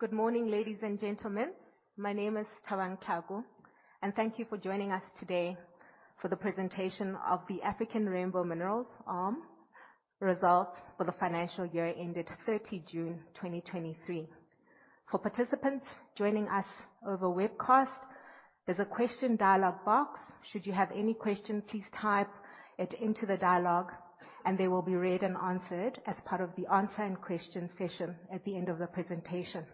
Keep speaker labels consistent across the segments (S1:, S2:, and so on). S1: Good morning, ladies and gentlemen. My name is Thabang Thlaku, and thank you for joining us today for the presentation of the African Rainbow Minerals, ARM, results for the financial year ended 30 June 2023. For participants joining us over webcast, there's a question dialogue box. Should you have any questions, please type it into the dialogue, and they will be read and answered as part of the answer and question session at the end of the presentation.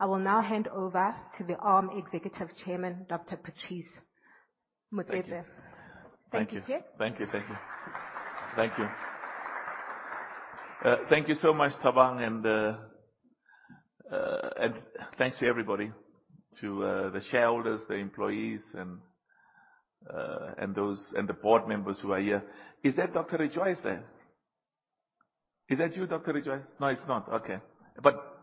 S1: I will now hand over to the ARM Executive Chairman, Dr. Patrice Motsepe.
S2: Thank you.
S1: Thank you, sir.
S2: Thank you. Thank you. Thank you. Thank you so much, Thabang, and thanks to everybody. To the shareholders, the employees, and the board members who are here. Is that Dr. Rejoice there? Is that you, Dr. Rejoice? No, it's not. Okay. But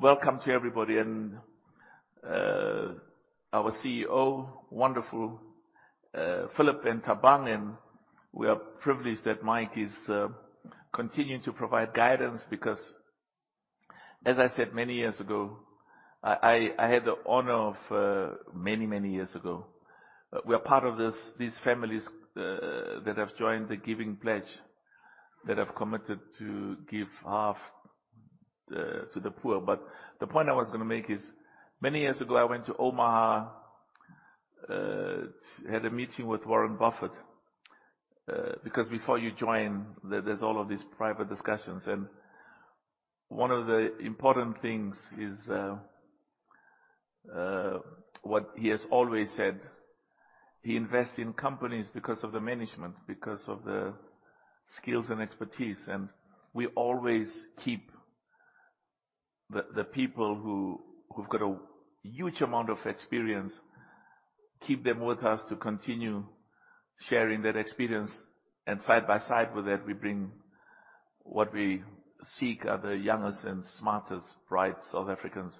S2: welcome to everybody and our CEO, wonderful, Phillip, and Thabang, and we are privileged that Mike is continuing to provide guidance because as I said many years ago, I had the honor of, many, many years ago, we are part of these families that have joined the giving pledge, that have committed to give half to the poor. But the point I was gonna make is, many years ago, I went to Omaha to had a meeting with Warren Buffett. Because before you join, there, there's all of these private discussions, and one of the important things is what he has always said. He invests in companies because of the management, because of the skills and expertise, and we always keep the, the people who, who've got a huge amount of experience, keep them with us to continue sharing their experience, and side by side with that, we bring what we seek are the youngest and smartest, bright South Africans.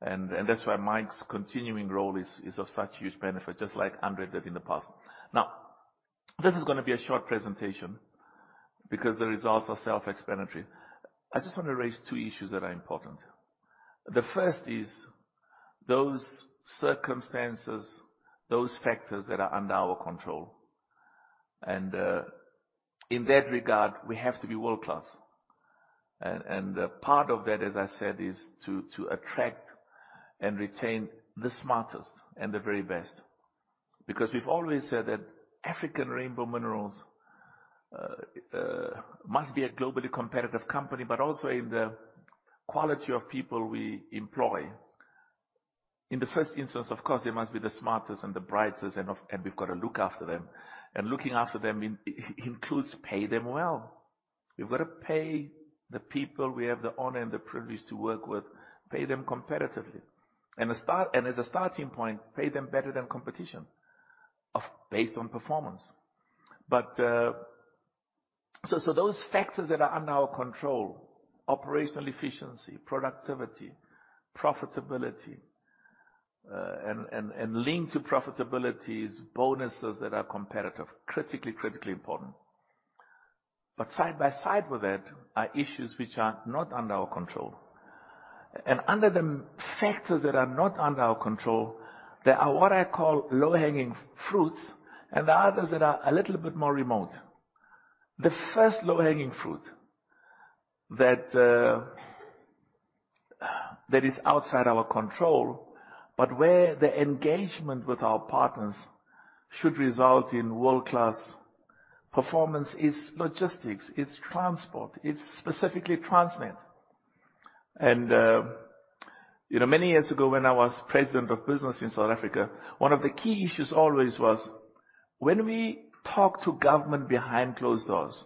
S2: And, and that's why Mike's continuing role is, is of such huge benefit, just like André did in the past. Now, this is gonna be a short presentation because the results are self-explanatory. I just want to raise two issues that are important. The first is those circumstances, those factors that are under our control. And, in that regard, we have to be world-class. Part of that, as I said, is to attract and retain the smartest and the very best, because we've always said that African Rainbow Minerals must be a globally competitive company, but also in the quality of people we employ. In the first instance, of course, they must be the smartest and the brightest. And we've got to look after them. And looking after them includes pay them well. We've got to pay the people we have the honor and the privilege to work with, pay them competitively. And as a starting point, pay them better than competition of, based on performance. So those factors that are under our control, operational efficiency, productivity, profitability, and linked to profitability, is bonuses that are competitive, critically, critically important. But side by side with that are issues which are not under our control. And under the factors that are not under our control, there are what I call low-hanging fruits and there are others that are a little bit more remote. The first low-hanging fruit that is outside our control, but where the engagement with our partners should result in world-class performance, is logistics, it's transport, it's specifically Transnet. And you know, many years ago, when I was President of Business in South Africa, one of the key issues always was, when we talk to government behind closed doors,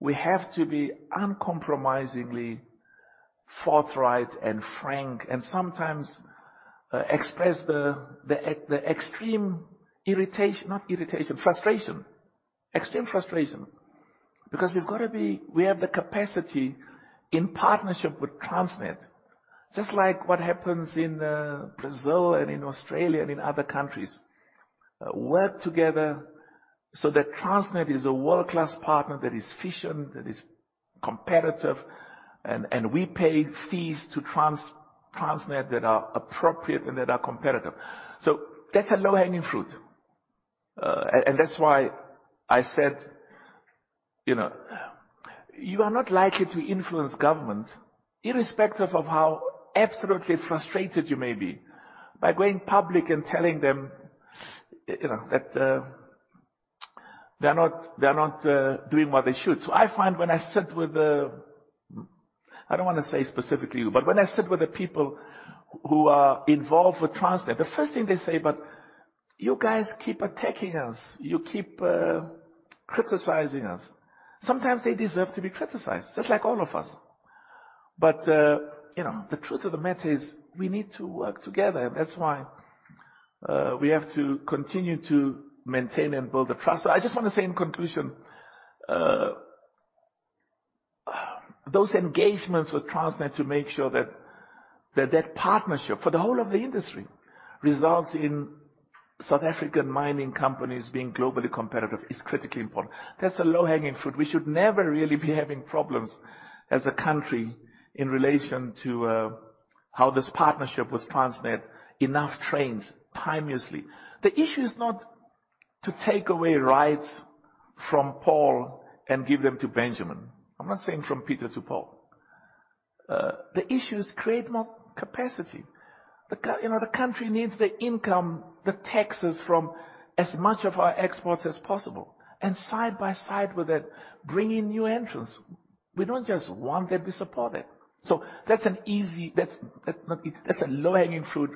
S2: we have to be uncompromisingly forthright and frank and sometimes express the extreme irritation - not irritation, frustration. Extreme frustration. Because we've got to we have the capacity in partnership with Transnet, just like what happens in, Brazil and in Australia and in other countries. Work together so that Transnet is a world-class partner that is efficient, that is competitive, and we pay fees to Transnet that are appropriate and that are competitive. So that's a low-hanging fruit. And that's why I said, you know, you are not likely to influence government, irrespective of how absolutely frustrated you may be, by going public and telling them, you know, that they're not doing what they should. So I find when I sit with the I don't want to say specifically you, but when I sit with the people who are involved with Transnet, the first thing they say, "But you guys keep attacking us. You keep criticizing us." Sometimes they deserve to be criticized, just like all of us. But you know, the truth of the matter is, we need to work together. That's why we have to continue to maintain and build the trust. So I just want to say in conclusion, those engagements with Transnet to make sure that, that partnership for the whole of the industry results in South African mining companies being globally competitive is critically important. That's a low-hanging fruit. We should never really be having problems as a country in relation to how this partnership with Transnet, enough trains, timeously. The issue is not to take away rights from Paul and give them to Benjamin. I'm not saying from Peter to Paul. The issue is create more capacity. You know, the country needs the income, the taxes from as much of our exports as possible, and side by side with it, bring in new entrants. We don't just want them, we support it. So that's an easy, that's a low-hanging fruit,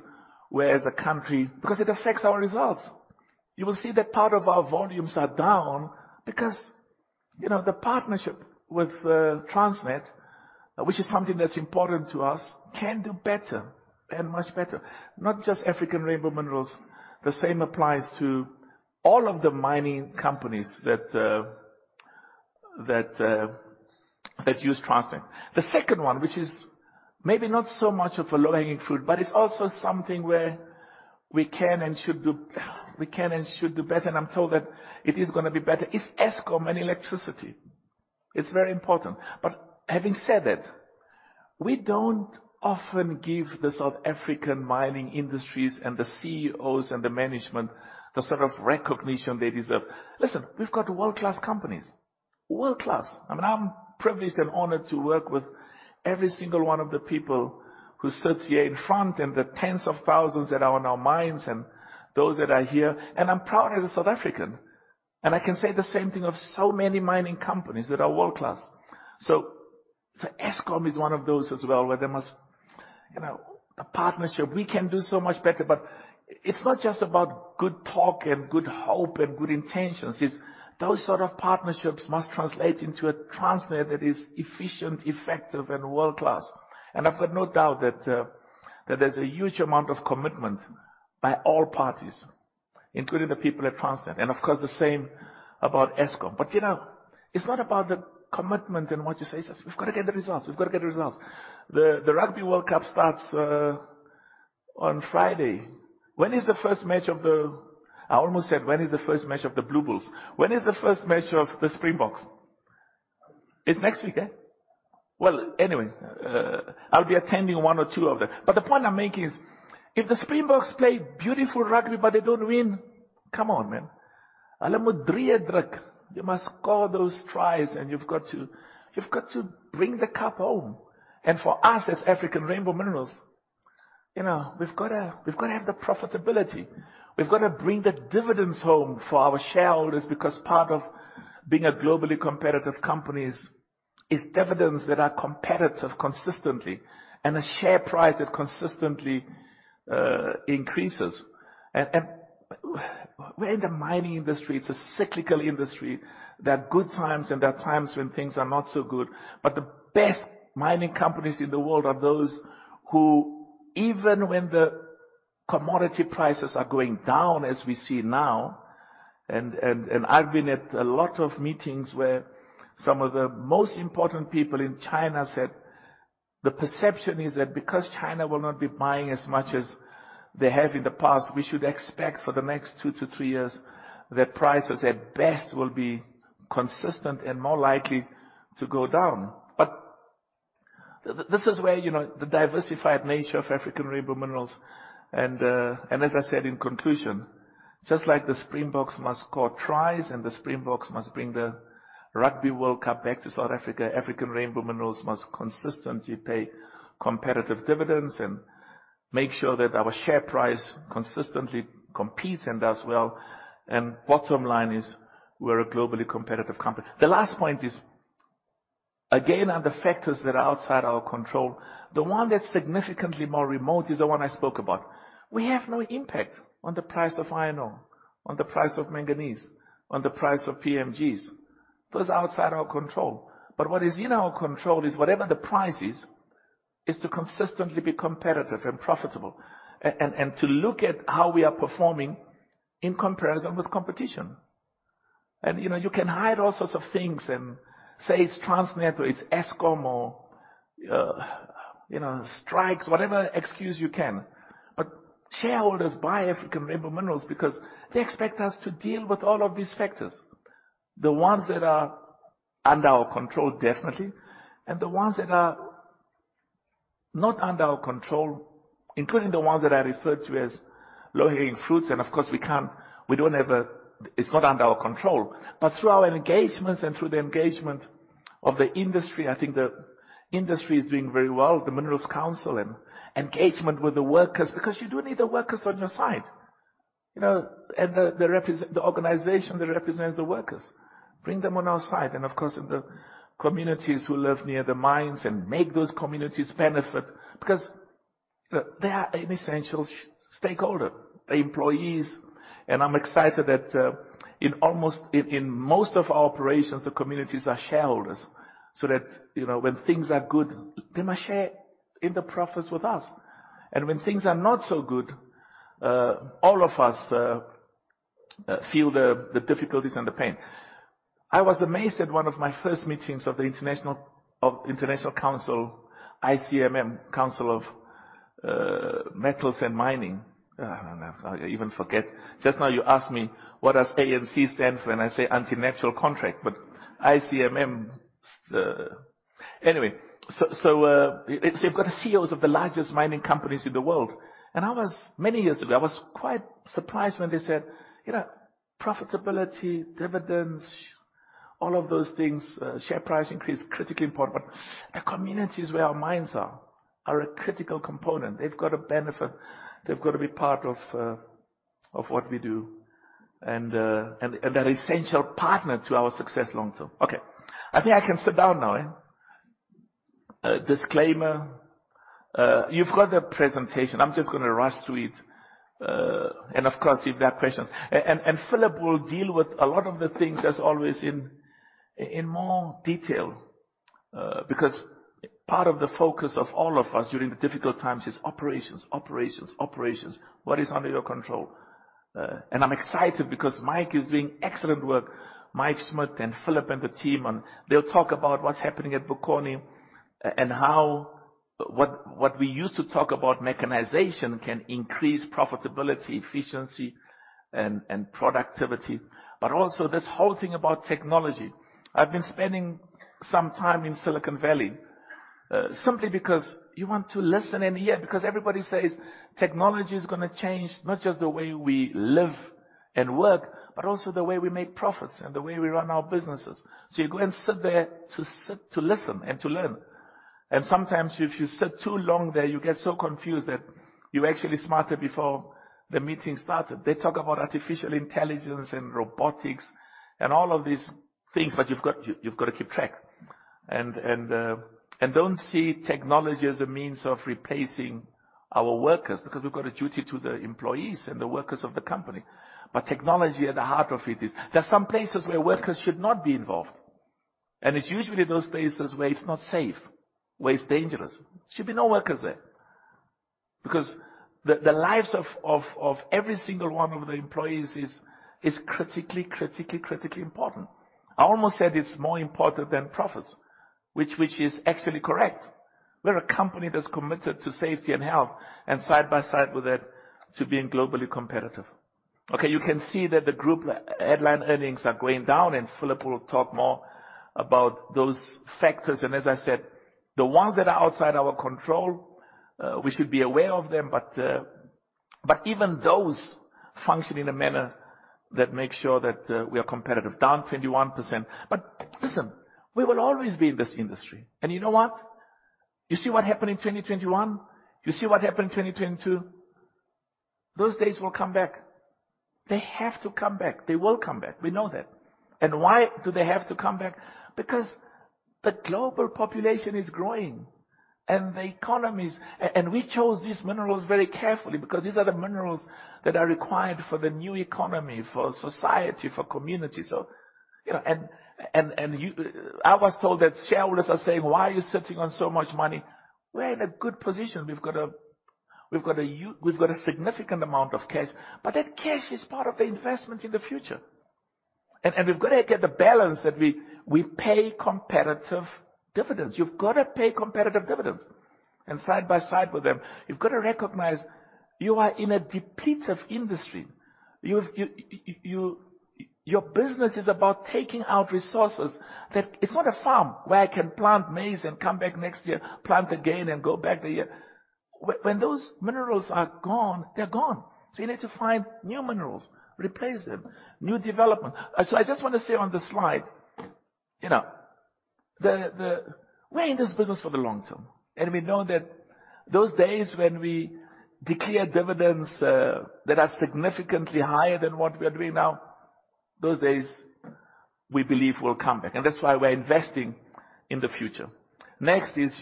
S2: whereas a country, because it affects our results. You will see that part of our volumes are down because, you know, the partnership with Transnet, which is something that's important to us, can do better and much better. Not just African Rainbow Minerals, the same applies to all of the mining companies that use Transnet. The second one, which is maybe not so much of a low-hanging fruit, but it's also something where we can and should do, we can and should do better, and I'm told that it is gonna be better, is Eskom and electricity. It's very important. But having said that, we don't often give the South African mining industries and the CEOs and the management the sort of recognition they deserve. Listen, we've got world-class companies. World-class. I mean, I'm privileged and honored to work with every single one of the people who sits here in front, and the tens of thousands that are on our mines and those that are here, and I'm proud as a South African. And I can say the same thing of so many mining companies that are world-class. So, so Eskom is one of those as well, where there must, you know, a partnership. We can do so much better, but it's not just about good talk, and good hope, and good intentions, it's those sort of partnerships must translate into a Transnet that is efficient, effective, and world-class. And I've got no doubt that that there's a huge amount of commitment by all parties, including the people at Transnet, and of course, the same about Eskom. But, you know, it's not about the commitment and what you say, it's just we've got to get the results. We've got to get the results. The Rugby World Cup starts on Friday. When is the first match of the, I almost said, when is the first match of the Blue Bulls? When is the first match of the Springboks? It's next week, eh? Well, anyway, I'll be attending one or two of them. But the point I'm making is, if the Springboks play beautiful rugby, but they don't win, come on, man. You must score those tries, and you've got to, you've got to bring the cup home. And for us, as African Rainbow Minerals, you know, we've got to, we've got to have the profitability. We've got to bring the dividends home for our shareholders, because part of being a globally competitive company is dividends that are competitive consistently, and a share price that consistently increases. And, and, we're in the mining industry, it's a cyclical industry. There are good times, and there are times when things are not so good. But the best mining companies in the world are those who, even when the commodity prices are going down, as we see now, and I've been at a lot of meetings where some of the most important people in China said, the perception is that because China will not be buying as much as they have in the past, we should expect for the next two to three years, that prices at best will be consistent and more likely to go down. But this is where, you know, the diversified nature of African Rainbow Minerals, and, and as I said in conclusion, just like the Springboks must score tries and the Springboks must bring the Rugby World Cup back to South Africa, African Rainbow Minerals must consistently pay competitive dividends and make sure that our share price consistently competes and does well, and bottom line is, we're a globally competitive company. The last point is, again, are the factors that are outside our control. The one that's significantly more remote is the one I spoke about. We have no impact on the price of iron ore, on the price of manganese, on the price of PGMs. Those are outside our control. But what is in our control is whatever the price is, is to consistently be competitive and profitable, and to look at how we are performing in comparison with competition. And, you know, you can hide all sorts of things and say it's Transnet or it's Eskom or, you know, strikes, whatever excuse you can. But shareholders buy African Rainbow Minerals because they expect us to deal with all of these factors. The ones that are under our control, definitely, and the ones that are not under our control, including the ones that I referred to as low-hanging fruits, and of course, we can't—we don't have a—it's not under our control. But through our engagements and through the engagement of the industry, I think the industry is doing very well, the Minerals Council and engagement with the workers, because you do need the workers on your side. You know, and the organization that represents the workers, bring them on our side. And of course, and the communities who live near the mines and make those communities benefit, because, you know, they are an essential stakeholder, the employees. And I'm excited that in most of our operations, the communities are shareholders, so that, you know, when things are good, they must share in the profits with us. And when things are not so good, all of us feel the difficulties and the pain. I was amazed at one of my first meetings of the International, of International Council, ICMM, Council of Metals and Mining. I even forget. Just now you asked me what does ANC stand for, and I say Antenuptial Contract, but ICMM. Anyway, they've got the CEOs of the largest mining companies in the world, and many years ago, I was quite surprised when they said, "You know, profitability, dividends, all of those things, share price increase, critically important, but the communities where our mines are, are a critical component. They've got to benefit. They've got to be part of what we do, and an essential partner to our success long term." Okay, I think I can sit down now, eh? Disclaimer, you've got the presentation. I'm just gonna rush through it. And, of course, if there are questions. And Phillip will deal with a lot of the things, as always, in more detail, because part of the focus of all of us during the difficult times is operations, operations, operations. What is under your control? And I'm excited because Mike is doing excellent work. Mike Schmidt and Phillip and the team, and they'll talk about what's happening at Bokoni, and how what we used to talk about, mechanization, can increase profitability, efficiency, and productivity, but also this whole thing about technology. I've been spending some time in Silicon Valley, simply because you want to listen and hear, because everybody says technology is gonna change not just the way we live and work, but also the way we make profits and the way we run our businesses. So you go and sit there to sit, to listen and to learn. And sometimes, if you sit too long there, you get so confused that you're actually smarter before the meeting started. They talk about artificial intelligence and robotics and all of these things, but you've got, you've got to keep track. And, and, and don't see technology as a means of replacing our workers, because we've got a duty to the employees and the workers of the company. But technology at the heart of it is, there are some places where workers should not be involved, and it's usually those places where it's not safe, where it's dangerous. Should be no workers there, because the, the lives of, of, of every single one of the employees is, is critically, critically, critically important. I almost said it's more important than profits, which, which is actually correct. We're a company that's committed to safety and health, and side by side with that, to being globally competitive. Okay, you can see that the group headline earnings are going down, and Phillip will talk more about those factors. And as I said, the ones that are outside our control, we should be aware of them, but, but even those function in a manner that makes sure that we are competitive, down 21%. But listen, we will always be in this industry, and you know what? You see what happened in 2021. You see what happened in 2022. Those days will come back. They have to come back. They will come back. We know that. And why do they have to come back? Because the global population is growing, and the economies—and we chose these minerals very carefully because these are the minerals that are required for the new economy, for society, for community. So, you know, I was told that shareholders are saying, "Why are you sitting on so much money?" We're in a good position. We've got a, we've got a huge—we've got a significant amount of cash, but that cash is part of the investment in the future, and we've got to get the balance that we pay competitive dividends. You've got to pay competitive dividends, and side by side with them, you've got to recognize you are in a depletive industry. You, you, your business is about taking out resources. That it's not a farm where I can plant maize and come back next year, plant again and go back the year. When those minerals are gone, they're gone, so you need to find new minerals, replace them, new development. So I just want to say on the slide, you know, we're in this business for the long term, and we know that those days when we declare dividends that are significantly higher than what we are doing now, those days, we believe, will come back, and that's why we're investing in the future. Next is,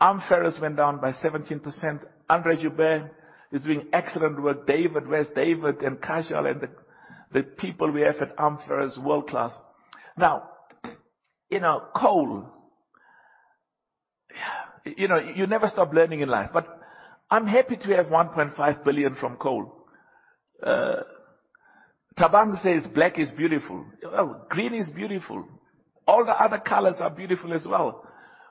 S2: ARM Ferrous went down by 17%. André Joubert is doing excellent work. David, where's David? And Kajal and the people we have at ARM Ferrous, world-class. Now, you know, coal, you know, you never stop learning in life, but I'm happy to have 1.5 billion from coal. Thabang says, "Black is beautiful." Oh, green is beautiful. All the other colors are beautiful as well.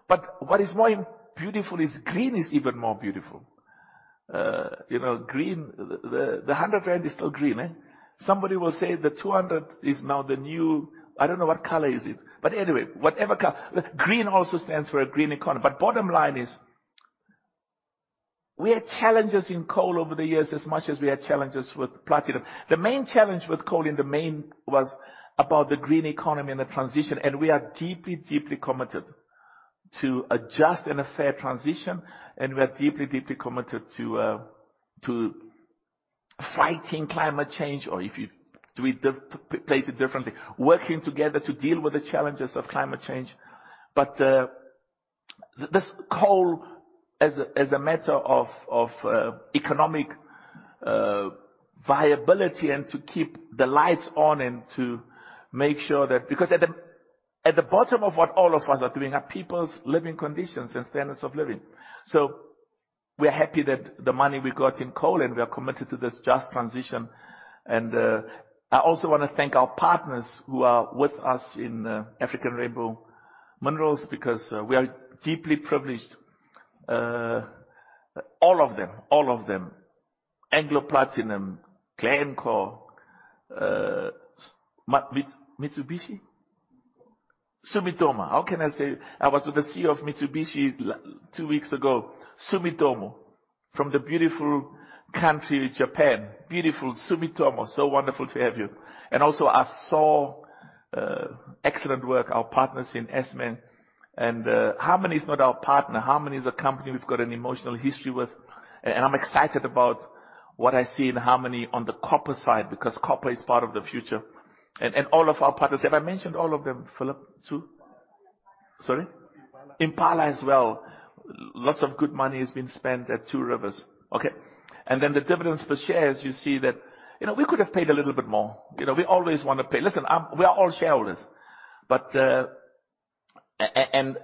S2: But what is more beautiful is green is even more beautiful. You know, green, the, the 100 rand is still green, eh? Somebody will say the 200 is now the new, I don't know what color is it, but anyway, whatever color. Green also stands for a green economy, but bottom line is, we had challenges in coal over the years, as much as we had challenges with platinum. The main challenge with coal in the main was about the green economy and the transition, and we are deeply, deeply committed to a just and a fair transition, and we are deeply, deeply committed to fighting climate change, or if you place it differently, working together to deal with the challenges of climate change. But this coal, as a matter of economic viability and to keep the lights on and to make sure that, because at the bottom of what all of us are doing are people's living conditions and standards of living. We are happy that the money we got in coal, and we are committed to this just transition. I also wanna thank our partners who are with us in African Rainbow Minerals, because we are deeply privileged, all of them, all of them, Anglo Platinum, Glencore, Mitsubishi? Sumitomo, how can I say? I was with the CEO of Mitsubishi two weeks ago. Sumitomo, from the beautiful country, Japan. Beautiful Sumitomo, so wonderful to have you. And also I saw excellent work, our partners in Assmang. Harmony is not our partner, Harmony is a company we've got an emotional history with. And I'm excited about what I see in Harmony on the copper side, because copper is part of the future. And all of our partners. Have I mentioned all of them, Phillip, too? Sorry.
S3: Impala.
S2: Impala as well. Lots of good money has been spent at Two Rivers. Okay, and then the dividends per shares, you see that, you know, we could have paid a little bit more. You know, we always want to pay, listen, we are all shareholders, but, and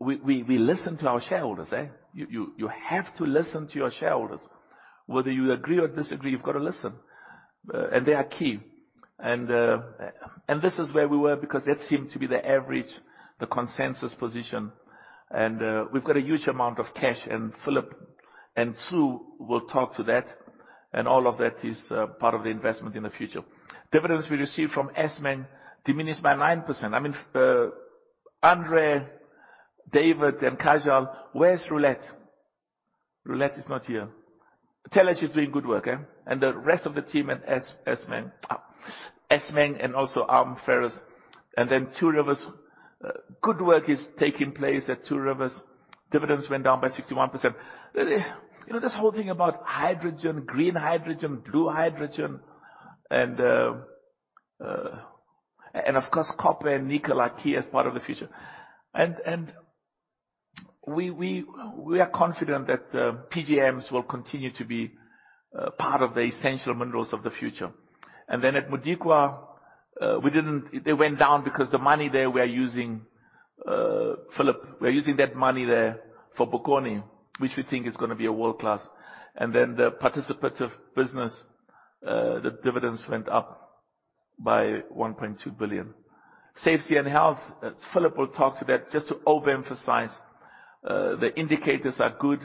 S2: we listen to our shareholders, eh. You have to listen to your shareholders. Whether you agree or disagree, you've got to listen, and they are key. And, and this is where we were, because that seemed to be the average, the consensus position. And, we've got a huge amount of cash, and Phillip and Tsu will talk to that, and all of that is, part of the investment in the future. Dividends we received from Assmang diminished by 9%. I mean, André, David, and Kajal. Where's [Roulette]? [Roulette] is not here. Tell her she's doing good work, eh? And the rest of the team at Assmang. Assmang and also ARM Ferrous, and then Two Rivers. Good work is taking place at Two Rivers. Dividends went down by 61%. You know, this whole thing about hydrogen, green hydrogen, blue hydrogen, and, and of course, copper and nickel are key as part of the future. And, and we, we, we are confident that, PGMs will continue to be, part of the essential minerals of the future. And then at Modikwa, we didn't, they went down because the money there we are using, Phillip, we're using that money there for Bokoni, which we think is gonna be a world-class. And then the participative business, the dividends went up by 1.2 billion. Safety and health, Phillip will talk to that. Just to overemphasize, the indicators are good.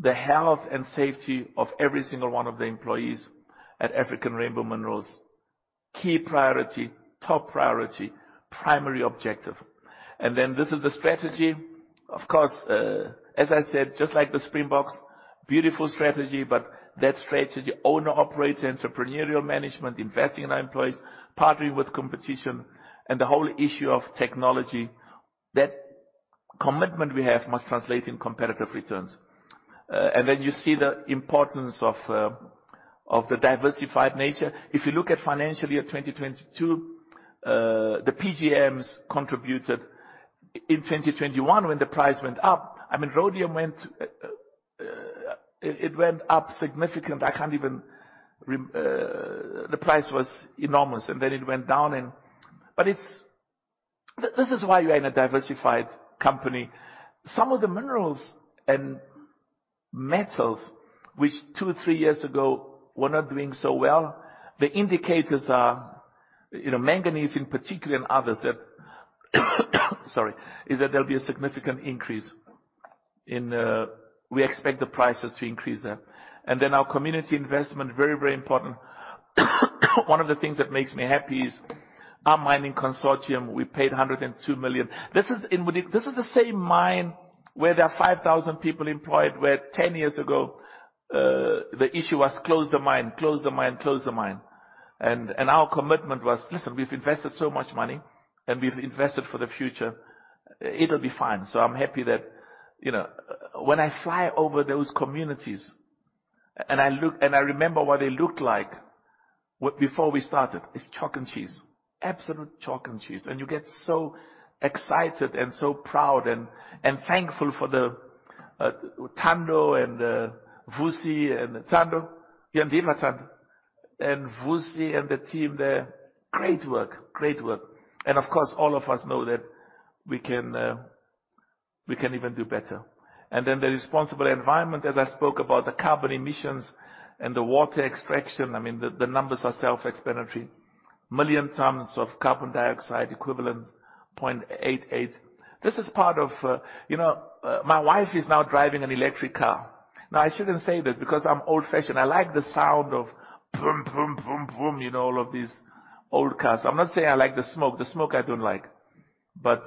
S2: The health and safety of every single one of the employees at African Rainbow Minerals, key priority, top priority, primary objective. And then this is the strategy. Of course, as I said, just like the Springboks, beautiful strategy, but that strategy, owner, operator, entrepreneurial management, investing in our employees, partnering with competition, and the whole issue of technology, that commitment we have must translate in competitive returns. And then you see the importance of, of the diversified nature. If you look at financially at 2022, the PGMs contributed. In 2021, when the price went up, I mean, rhodium went, it went up significant. I can't even, the price was enormous, and then it went down and., but this is why you are in a diversified company. Some of the minerals and metals, which years ago were not doing so well, the indicators are, you know, manganese in particular and others, that, sorry, is that there'll be a significant increase in, we expect the prices to increase there. And then our community investment, very, very important. One of the things that makes me happy is our mining consortium, we paid 102 million. This is the same mine where there are 5,000 people employed, where 10 years ago, the issue was, "Close the mine. Close the mine. Close the mine." And, and our commitment was, "Listen, we've invested so much money, and we've invested for the future. It'll be fine." So I'm happy that, you know, when I fly over those communities, and I look, and I remember what they looked like before we started, it's chalk and cheese. Absolute chalk and cheese, and you get so excited and so proud and thankful for the Thando and Vusi and Thando? You are here, Thando, and Vusi and the team there. Great work. Great work. And of course, all of us know that we can even do better. And then the responsible environment, as I spoke about, the carbon emissions and the water extraction, I mean, the numbers are self-explanatory. Million tons of carbon dioxide equivalent 0.88. This is part of, you know, my wife is now driving an electric car. Now, I shouldn't say this because I'm old-fashioned. I like the sound of vroom, vroom, vroom, vroom, you know, all of these old cars. I'm not saying I like the smoke. The smoke I don't like. But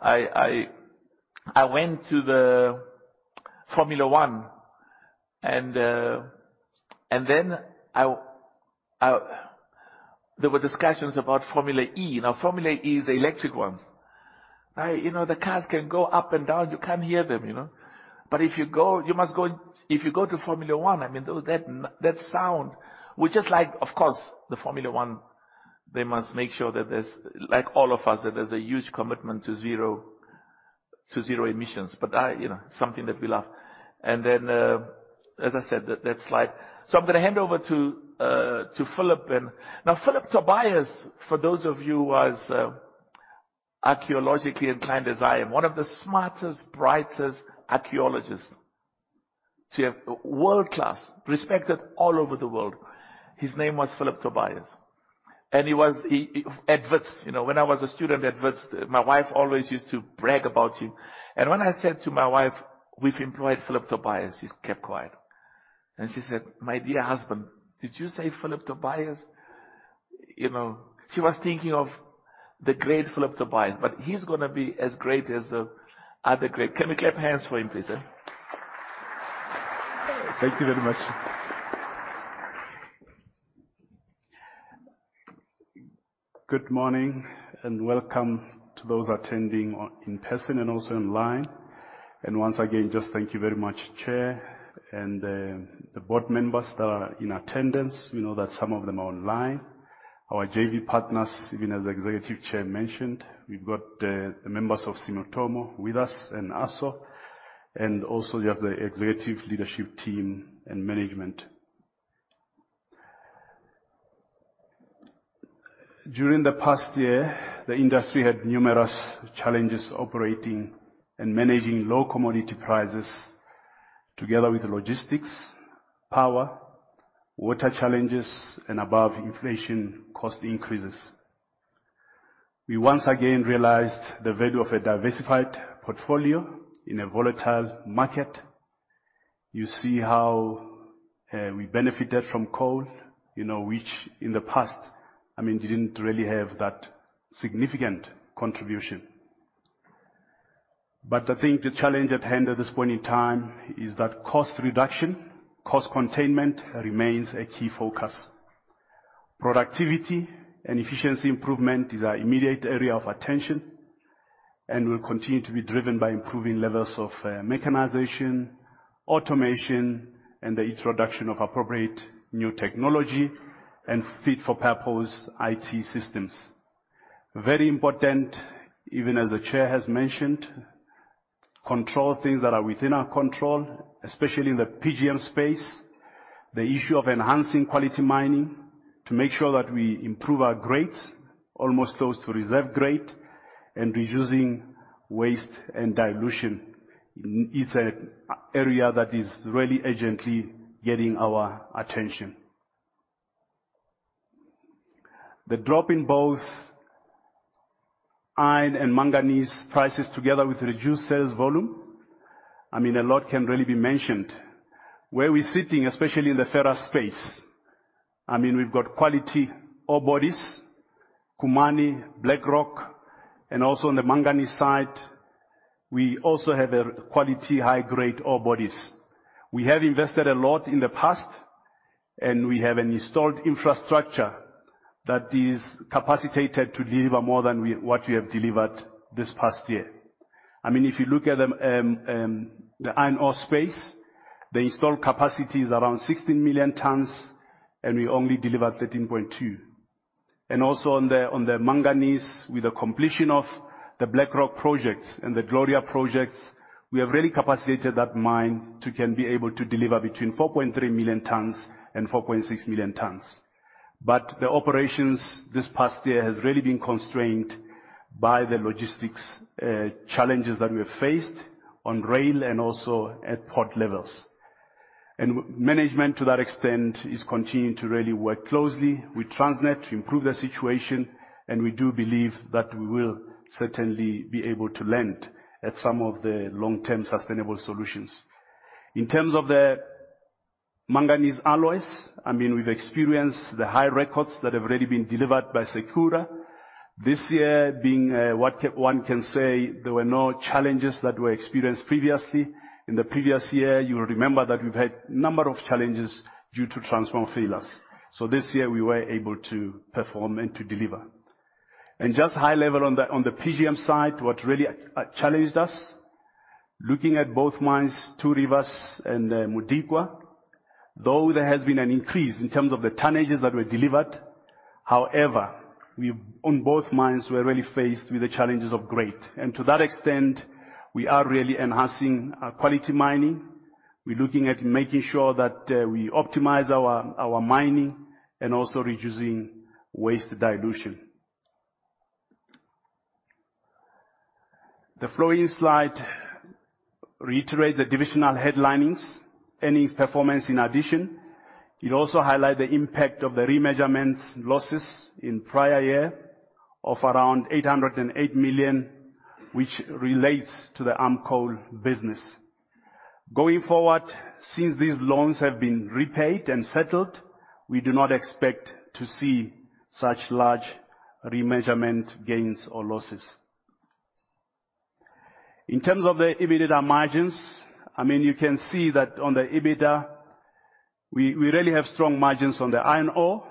S2: I went to the Formula One, and then there were discussions about Formula E. Now, Formula E is the electric ones. Now, you know, the cars can go up and down, you can't hear them, you know? But if you go, you must go. If you go to Formula One, I mean, though, that sound, which is like, of course, the Formula One, they must make sure that there's, like all of us, that there's a huge commitment to zero, to zero emissions. But you know, it's something that we love. And then, as I said, that slide. So I'm gonna hand over to Phillip. Now, Phillip Tobias, for those of you who was archaeologically inclined as I am, one of the smartest, brightest archaeologists, world-class, respected all over the world. His name was Phillip Tobias, and he was, he, at Wits. You know, when I was a student at Wits, my wife always used to brag about him. And when I said to my wife, "We've employed Phillip Tobias," she kept quiet. And she said, "My dear husband, did you say Phillip Tobias?" You know, she was thinking of the great Phillip Tobias, but he's gonna be as great as the other great. Can we clap hands for him, please, eh?
S3: Thank you very much. Good morning, and welcome to those attending in person and also online. Once again, just thank you very much, Chair and, the board members that are in attendance. We know that some of them are online. Our JV partners, even as the Executive Chair mentioned, we've got, the members of Sumitomo with us and Assore, and also we have the executive leadership team and management. During the past year, the industry had numerous challenges operating and managing low commodity prices, together with logistics, power, water challenges, and above-inflation cost increases. We once again realized the value of a diversified portfolio in a volatile market. You see how, we benefited from coal, you know, which in the past, I mean, didn't really have that significant contribution. But I think the challenge at hand at this point in time is that cost reduction, cost containment, remains a key focus. Productivity and efficiency improvement is our immediate area of attention and will continue to be driven by improving levels of mechanization, automation, and the introduction of appropriate new technology and fit-for-purpose IT systems. Very important, even as the chair has mentioned, control things that are within our control, especially in the PGM space. The issue of enhancing quality mining to make sure that we improve our grades, almost close to reserve grade, and reducing waste and dilution. It's an area that is really urgently getting our attention. The drop in both iron and manganese prices, together with reduced sales volume, I mean, a lot can really be mentioned. Where we're sitting, especially in the ferrous space, I mean, we've got quality ore bodies, Khumani, Black Rock, and also on the manganese side, we also have a quality, high-grade ore bodies. We have invested a lot in the past, and we have an installed infrastructure that is capacitated to deliver more than what we have delivered this past year. I mean, if you look at the, the iron ore space, the installed capacity is around 16 million tons, and we only delivered 13.2. And also on the, on the manganese, with the completion of the Black Rock projects and the Gloria projects, we have really capacitated that mine to, can be able to deliver between 4.3 million tons and 4.6 million tons. But the operations this past year has really been constrained by the logistics challenges that we have faced on rail and also at port levels. And management, to that extent, is continuing to really work closely with Transnet to improve the situation, and we do believe that we will certainly be able to land at some of the long-term sustainable solutions. In terms of the manganese alloys, I mean, we've experienced the high records that have already been delivered by Sakura. This year being, what one can say, there were no challenges that were experienced previously. In the previous year, you will remember that we've had number of challenges due to transformer failures. So this year we were able to perform and to deliver. Just high level on the PGM side, what really challenged us, looking at both mines, Two Rivers and Modikwa, though there has been an increase in terms of the tonnages that were delivered, however, we on both mines, we are really faced with the challenges of grade. To that extent, we are really enhancing quality mining. We're looking at making sure that we optimize our mining and also reducing waste dilution. The following slide reiterate the divisional headlinings, earnings performance in addition. It also highlight the impact of the remeasurements losses in prior year of around 808 million, which relates to the ARM Coal business. Going forward, since these loans have been repaid and settled, we do not expect to see such large remeasurement gains or losses. In terms of the EBITDA margins, I mean, you can see that on the EBITDA, we, we really have strong margins on the iron ore,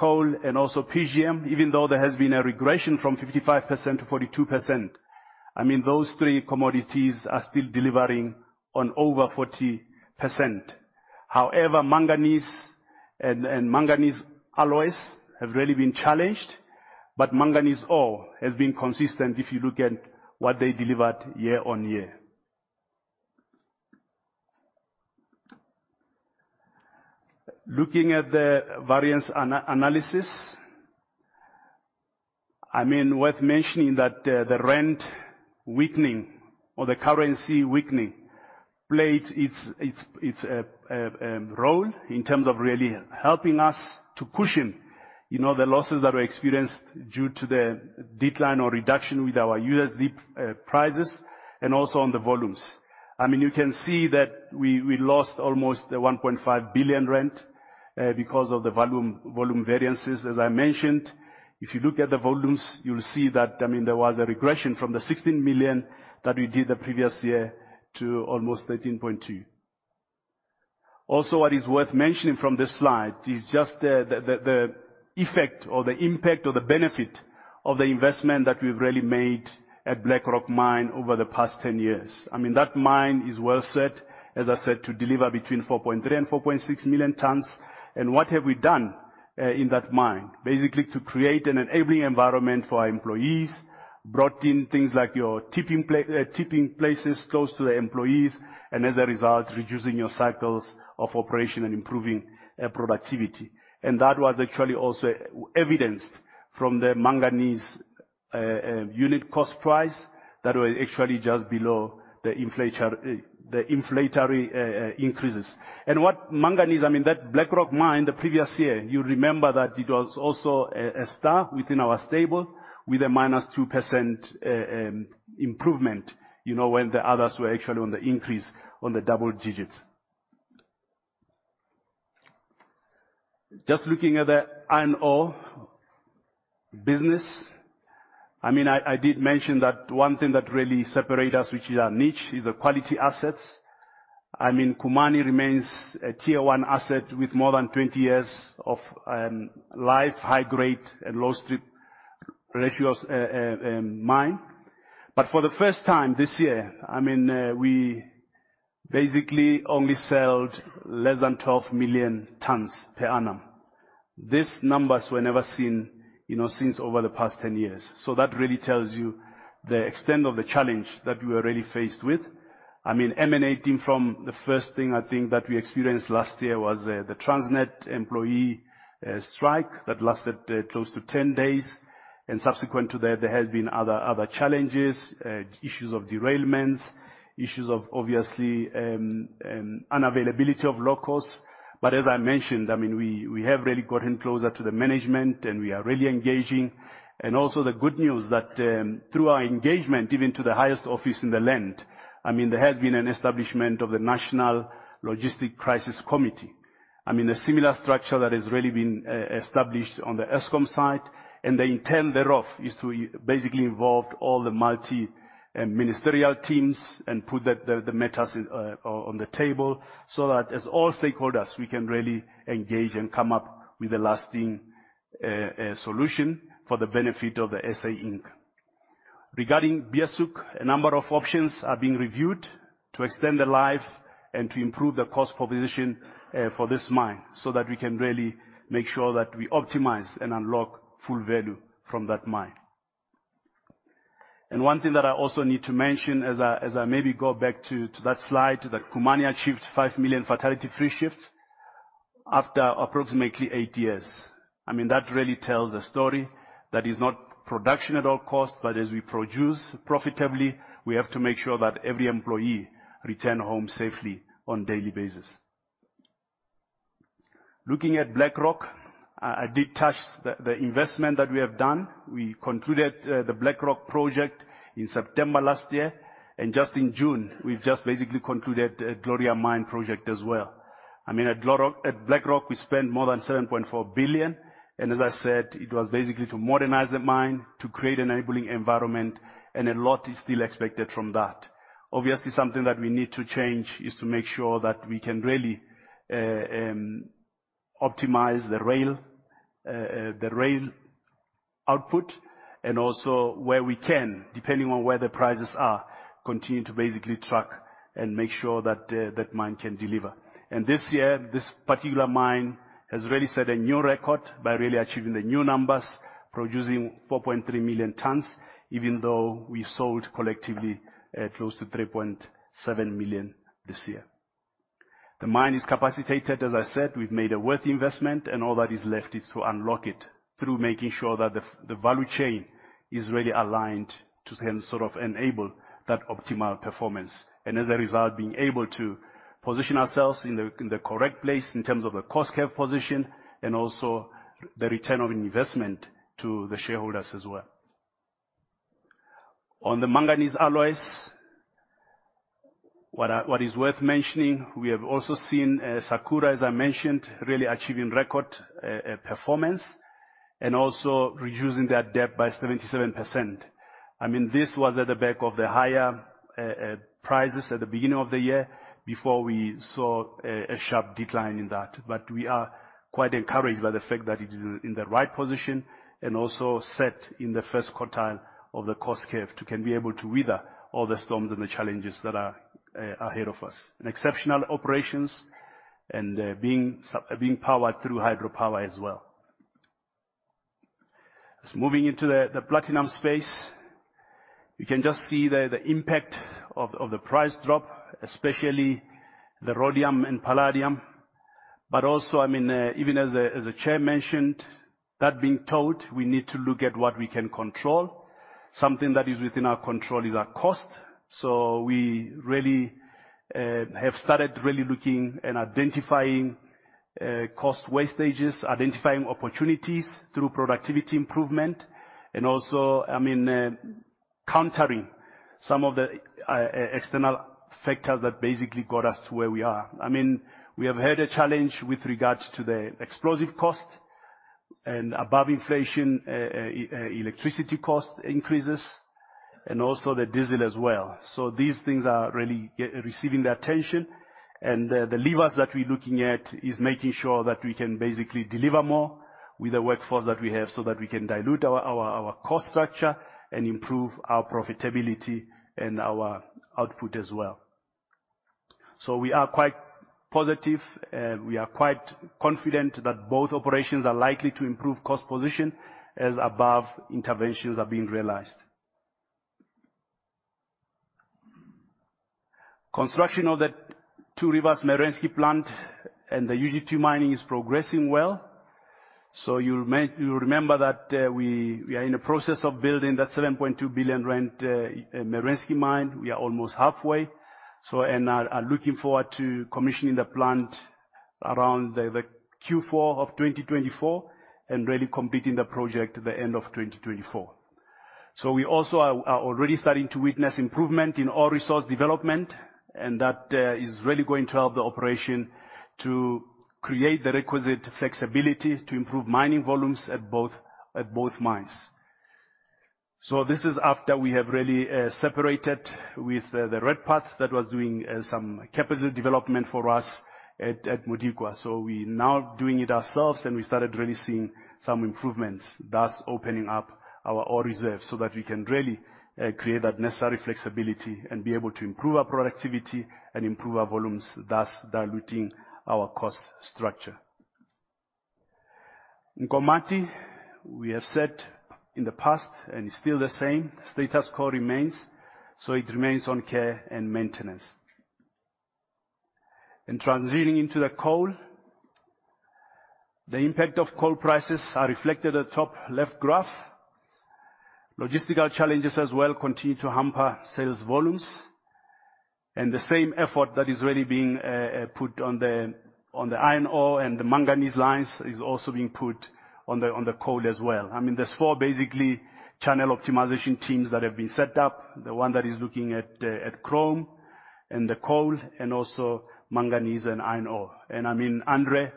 S3: coal, and also PGM, even though there has been a regression from 55% to 42%. I mean, those three commodities are still delivering on over 40%. However, manganese and, and manganese alloys have really been challenged, but manganese ore has been consistent if you look at what they delivered year-on-year. Looking at the variance analysis, I mean, worth mentioning that, the rand weakening or the currency weakening, played its role in terms of really helping us to cushion, you know, the losses that were experienced due to the decline or reduction with our USD prices and also on the volumes. I mean, you can see that we, we lost almost 1.5 billion because of the volume, volume variances as I mentioned. If you look at the volumes, you'll see that, I mean, there was a regression from the 16 million that we did the previous year to almost 13.2. Also, what is worth mentioning from this slide is just the effect or the impact or the benefit of the investment that we've really made at Black Rock Mine over the past 10 years. I mean, that mine is well set, as I said, to deliver between 4.3 million tons and 4.6 million tons. And what have we done in that mine? Basically, to create an enabling environment for our employees, brought in things like your tipping places close to the employees, and as a result, reducing your cycles of operation and improving productivity. And that was actually also evidenced from the manganese unit cost price that was actually just below the inflation, the inflationary increases. And what manganese—I mean, that Black Rock Mine, the previous year, you remember that it was also a star within our stable, with a -2% improvement, you know, when the others were actually on the increase on the double digits. Just looking at the iron ore business, I mean, I did mention that one thing that really separate us, which is our niche, is the quality assets. I mean, Khumani remains a tier one asset with more than 20 years of life, high grade and low strip ratios, mine. But for the first time this year, I mean, we basically only sold less than 12 million tons per annum. These numbers were never seen, you know, since over the past 10 years. So that really tells you the extent of the challenge that we are really faced with. I mean, emanating from the first thing I think that we experienced last year was the Transnet employee strike that lasted close to 10 days, and subsequent to that, there has been other challenges, issues of derailments, issues of obviously unavailability of locos. But as I mentioned, I mean, we have really gotten closer to the management, and we are really engaging. Also the good news that, through our engagement, even to the highest office in the land, I mean, there has been an establishment of the National Logistics Crisis Committee. I mean, a similar structure that has really been established on the Eskom side, and the intent thereof is to basically involve all the multi ministerial teams and put the matters on the table, so that as all stakeholders, we can really engage and come up with a lasting solution for the benefit of the SA Inc. Regarding Beeshoek, a number of options are being reviewed to extend the life and to improve the cost position for this mine, so that we can really make sure that we optimize and unlock full value from that mine. And one thing that I also need to mention as I maybe go back to that slide, that Khumani achieved 5 million fatality-free shifts after approximately eight years. I mean, that really tells a story that is not production at all costs, but as we produce profitably, we have to make sure that every employee return home safely on daily basis. Looking at Black Rock, I did touch the investment that we have done. We concluded the Black Rock project in September last year, and just in June, we've just basically concluded the Gloria Mine project as well. I mean, at Black Rock, we spent more than 7.4 billion, and as I said, it was basically to modernize the mine, to create enabling environment, and a lot is still expected from that. Obviously, something that we need to change is to make sure that we can really, optimize the rail, the rail output, and also where we can, depending on where the prices are, continue to basically track and make sure that, that mine can deliver. And this year, this particular mine has really set a new record by really achieving the new numbers, producing 4.3 million tons, even though we sold collectively, close to 3.7 million this year. The mine is capacitated, as I said, we've made a worthwhile investment, and all that is left is to unlock it through making sure that the value chain is really aligned to then sort of enable that optimal performance, and as a result, being able to position ourselves in the correct place in terms of the cost curve position, and also the return on investment to the shareholders as well. On the manganese alloys, what is worth mentioning, we have also seen Sakura, as I mentioned, really achieving record performance and also reducing that debt by 77%. I mean, this was at the back of the higher prices at the beginning of the year before we saw a sharp decline in that. But we are quite encouraged by the fact that it is in the right position and also set in the first quartile of the cost curve to be able to weather all the storms and the challenges that are ahead of us. And exceptional operations and being powered through hydropower as well. Just moving into the platinum space, you can just see the impact of the price drop, especially the rhodium and palladium. But also, I mean, even as the chair mentioned, that being told, we need to look at what we can control. Something that is within our control is our cost. So we really have started really looking and identifying cost wastages, identifying opportunities through productivity improvement, and also, I mean, countering some of the external factors that basically got us to where we are. I mean, we have had a challenge with regards to the explosive cost and above inflation electricity cost increases, and also the diesel as well. So these things are really receiving the attention, and the levers that we're looking at is making sure that we can basically deliver more with the workforce that we have, so that we can dilute our cost structure and improve our profitability and our output as well. So we are quite positive, we are quite confident that both operations are likely to improve cost position as above interventions are being realized. Construction of the Two Rivers Merensky plant and the UG2 mining is progressing well. So you remember that we are in the process of building that 7.2 billion Merensky mine. We are almost halfway, so and are looking forward to commissioning the plant around the Q4 of 2024, and really completing the project at the end of 2024. So we also are already starting to witness improvement in ore resource development, and that is really going to help the operation to create the requisite flexibility to improve mining volumes at both mines. So this is after we have really separated with the Redpath that was doing some capital development for us at Modikwa. So we now doing it ourselves, and we started really seeing some improvements, thus opening up our ore reserves, so that we can really create that necessary flexibility and be able to improve our productivity and improve our volumes, thus diluting our cost structure. Nkomati, we have said in the past, and it's still the same, status quo remains, so it remains on care and maintenance. And transitioning into the coal, the impact of coal prices are reflected at the top left graph. Logistical challenges as well continue to hamper sales volumes. And the same effort that is really being put on the iron ore and the manganese lines is also being put on the coal as well. I mean, there's four basically, channel optimization teams that have been set up. The one that is looking at chrome and the coal, and also manganese and iron ore. And I mean, André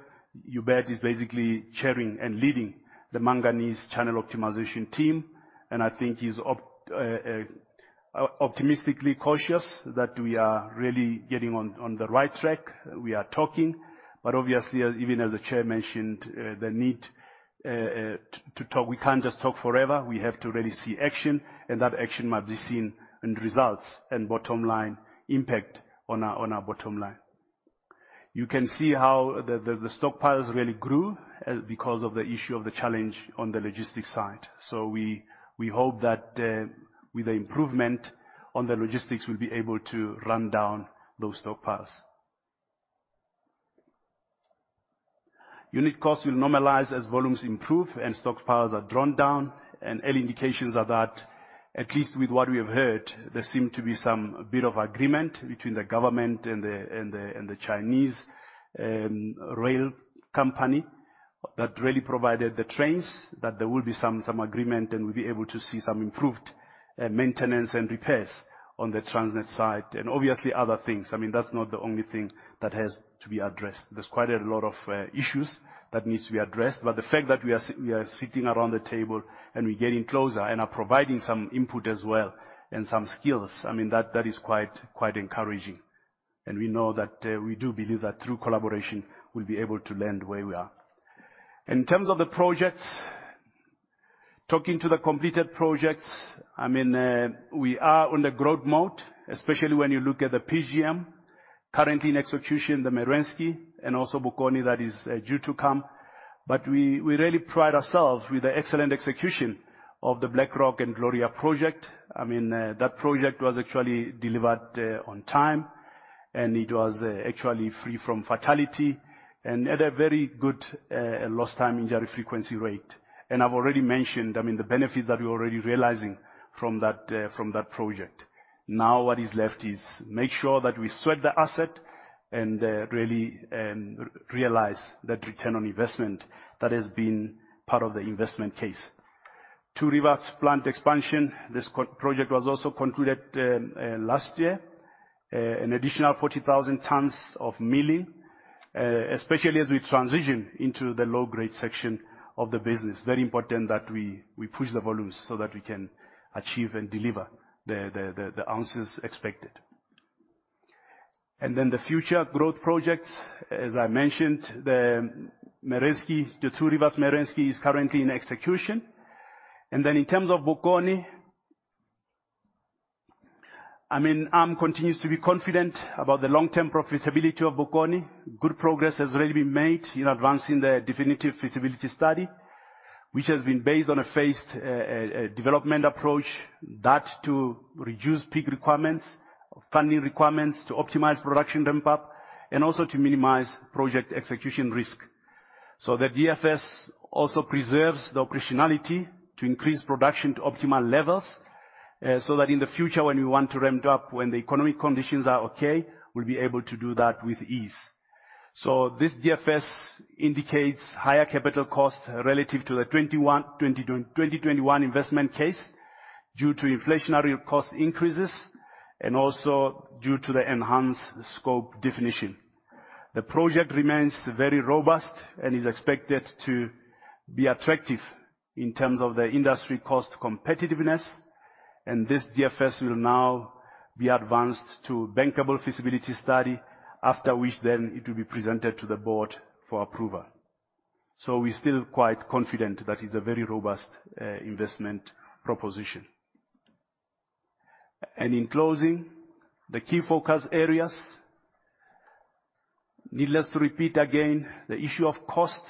S3: Joubert is basically chairing and leading the manganese channel optimization team, and I think he's optimistically cautious that we are really getting on the right track. We are talking, but obviously, as even as the Chair mentioned, the need to talk. We can't just talk forever. We have to really see action, and that action must be seen in results and bottom line impact on our bottom line. You can see how the stockpiles really grew because of the issue of the challenge on the logistics side. So we hope that with the improvement on the logistics, we'll be able to run down those stockpiles. Unit costs will normalize as volumes improve and stockpiles are drawn down, and all indications are that, at least with what we have heard, there seem to be some bit of agreement between the government and the Chinese rail company that really provided the trains, that there will be some agreement and we'll be able to see some improved maintenance and repairs on the Transnet side, and obviously other things. I mean, that's not the only thing that has to be addressed. There's quite a lot of issues that needs to be addressed, but the fact that we are sitting around the table and we're getting closer, and are providing some input as well and some skills, I mean, that is quite encouraging. We know that, we do believe that through collaboration, we'll be able to land where we are. In terms of the projects, talking to the completed projects, I mean, we are on the growth mode, especially when you look at the PGM. Currently in execution, the Merensky and also Bokoni, that is, due to come. But we really pride ourselves with the excellent execution of the Black Rock and Gloria project. I mean, that project was actually delivered, on time, and it was, actually free from fatality and had a very good, lost time injury frequency rate. And I've already mentioned, I mean, the benefit that we're already realizing from that, from that project. Now, what is left is make sure that we sweat the asset and really realize that return on investment that has been part of the investment case. Two Rivers plant expansion, this co-project was also concluded last year. An additional 40,000 tons of milling, especially as we transition into the low-grade section of the business. Very important that we push the volumes, so that we can achieve and deliver the ounces expected. And then the future growth projects, as I mentioned, the Merensky, the Two Rivers Merensky, is currently in execution. And then in terms of Bokoni, I mean, ARM continues to be confident about the long-term profitability of Bokoni. Good progress has already been made in advancing the definitive feasibility study, which has been based on a phased development approach. That to reduce peak requirements, funding requirements, to optimize production ramp-up, and also to minimize project execution risk. So the DFS also preserves the operationality to increase production to optimal levels, so that in the future, when we want to ramp up, when the economic conditions are okay, we'll be able to do that with ease. So this DFS indicates higher capital costs relative to the 2021 investment case, due to inflationary cost increases, and also due to the enhanced scope definition. The project remains very robust and is expected to be attractive in terms of the industry cost competitiveness, and this DFS will now be advanced to bankable feasibility study, after which then it will be presented to the board for approval. So we're still quite confident that it's a very robust investment proposition. And in closing, the key focus areas. Needless to repeat again, the issue of cost,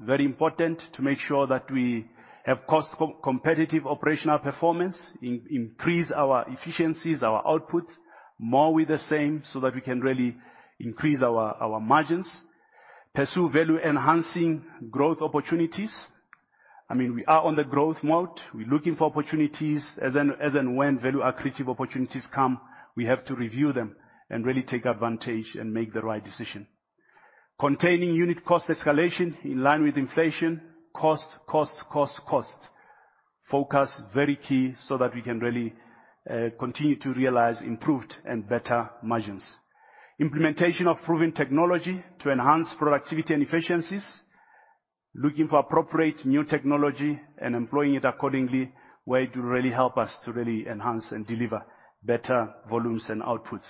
S3: very important to make sure that we have cost-competitive operational performance, increase our efficiencies, our outputs, more with the same, so that we can really increase our margins. Pursue value-enhancing growth opportunities. I mean, we are on the growth mode. We're looking for opportunities. As and when value-accretive opportunities come, we have to review them and really take advantage and make the right decision. Containing unit cost escalation in line with inflation, cost, cost, cost, cost. Focus, very key, so that we can really continue to realize improved and better margins. Implementation of proven technology to enhance productivity and efficiencies. Looking for appropriate new technology and employing it accordingly, where it will really help us to really enhance and deliver better volumes and outputs.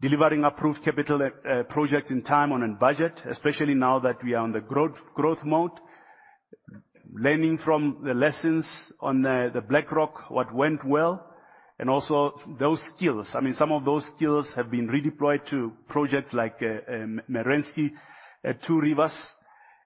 S3: Delivering approved capital projects on time and on budget, especially now that we are on the growth mode. Learning from the lessons on the Black Rock, what went well, and also those skills. I mean, some of those skills have been redeployed to projects like Merensky, Two Rivers,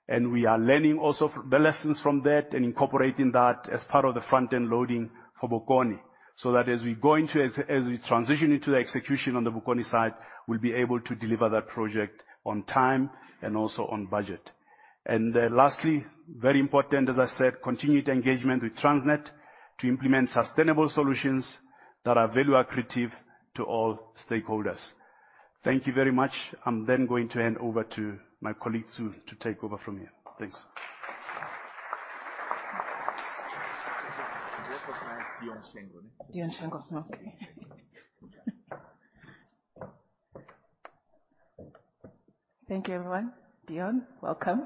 S3: and we are learning also the lessons from that and incorporating that as part of the front-end loading for Bokoni. So that as we go into, as we transition into the execution on the Bokoni side, we'll be able to deliver that project on time and also on budget. And lastly, very important, as I said, continued engagement with Transnet to implement sustainable solutions that are value accretive to all stakeholders. Thank you very much. I'm then going to hand over to my colleague, Tsu, to take over from here. Thanks.
S4: [Dion Shengo. Dion Shengo], okay. Thank you, everyone. Dion, welcome.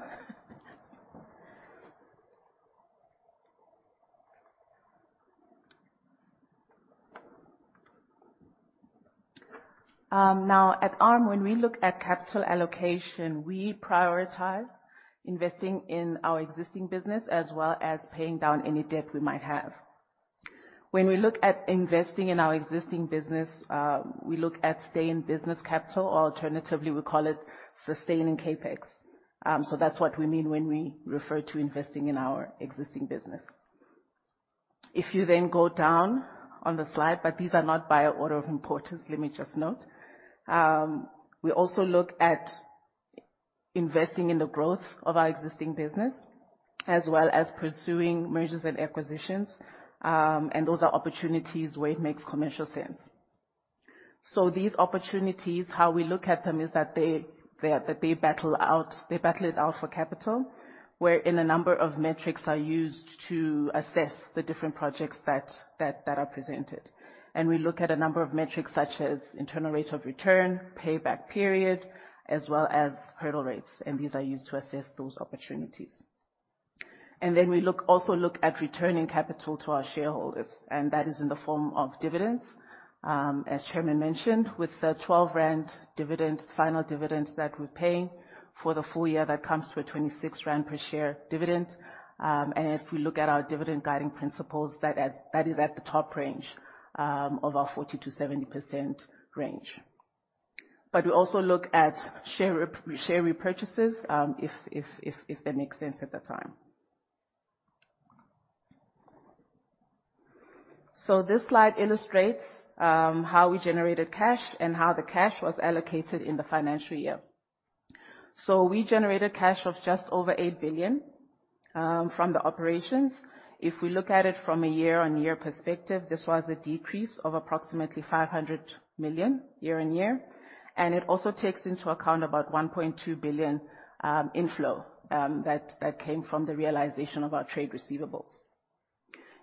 S4: Now, at ARM, when we look at capital allocation, we prioritize investing in our existing business as well as paying down any debt we might have. When we look at investing in our existing business, we look at stay-in-business capital, or alternatively, we call it sustaining CapEx. So that's what we mean when we refer to investing in our existing business. If you then go down on the slide, but these are not by order of importance, let me just note. We also look at investing in the growth of our existing business, as well as pursuing mergers and acquisitions, and those are opportunities where it makes commercial sense. So these opportunities, how we look at them, is that they battle it out for capital, where a number of metrics are used to assess the different projects that are presented. And we look at a number of metrics, such as internal rate of return, payback period, as well as hurdle rates, and these are used to assess those opportunities. And then we also look at returning capital to our shareholders, and that is in the form of dividends. As chairman mentioned, with the 12 rand dividend, final dividend, that we're paying for the full year, that comes to a 26 rand per share dividend. And if we look at our dividend guiding principles, that is at the top range of our 40%-70% range. But we also look at share repurchases, if that makes sense at the time. So this slide illustrates how we generated cash and how the cash was allocated in the financial year. So we generated cash of just over 8 billion from the operations. If we look at it from a year-on-year perspective, this was a decrease of approximately 500 million year-on-year, and it also takes into account about 1.2 billion inflow that came from the realization of our trade receivables.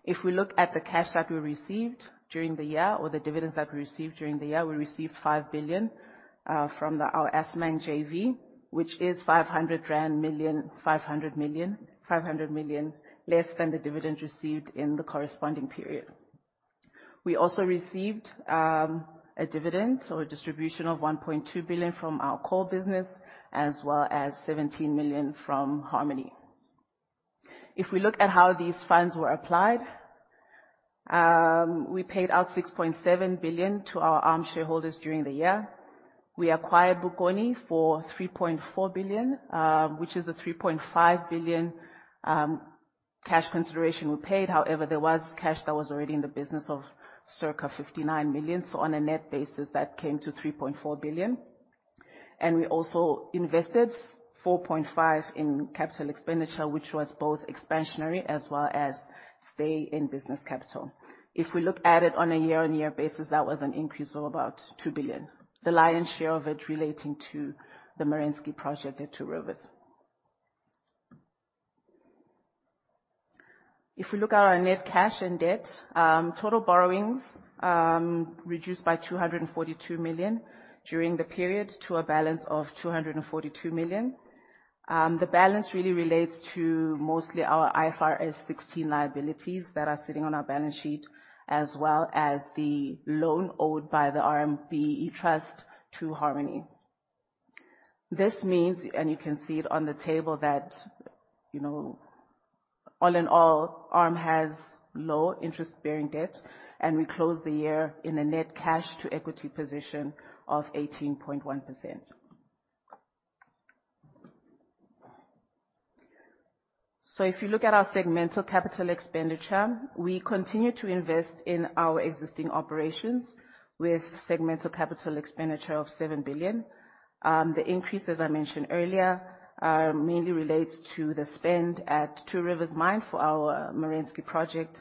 S4: If we look at the cash that we received during the year or the dividends that we received during the year, we received 5 billion from our Assmang JV, which is 500 million, 500 million less than the dividend received in the corresponding period. We also received a dividend or a distribution of 1.2 billion from our core business, as well as 17 million from Harmony. If we look at how these funds were applied, we paid out 6.7 billion to our ARM shareholders during the year. We acquired Bokoni for 3.4 billion, which is a 3.5 billion cash consideration we paid. However, there was cash that was already in the business of circa 59 million. So on a net basis, that came to 3.4 billion. And we also invested 4.5 billion in capital expenditure, which was both expansionary as well as stay-in-business capital. If we look at it on a year-on-year basis, that was an increase of about 2 billion. The lion's share of it relating to the Merensky project at Two Rivers. If we look at our net cash and debt, total borrowings reduced by 242 million during the period, to a balance of 242 million. The balance really relates to mostly our IFRS 16 liabilities that are sitting on our balance sheet, as well as the loan owed by the ARM BBEE Trust to Harmony. This means, and you can see it on the table, that, you know, all in all, ARM has low interest-bearing debt, and we closed the year in a net cash to equity position of 18.1%. So if you look at our segmental capital expenditure, we continue to invest in our existing operations with segmental capital expenditure of 7 billion. The increase, as I mentioned earlier, mainly relates to the spend at Two Rivers Mine for our Merensky project.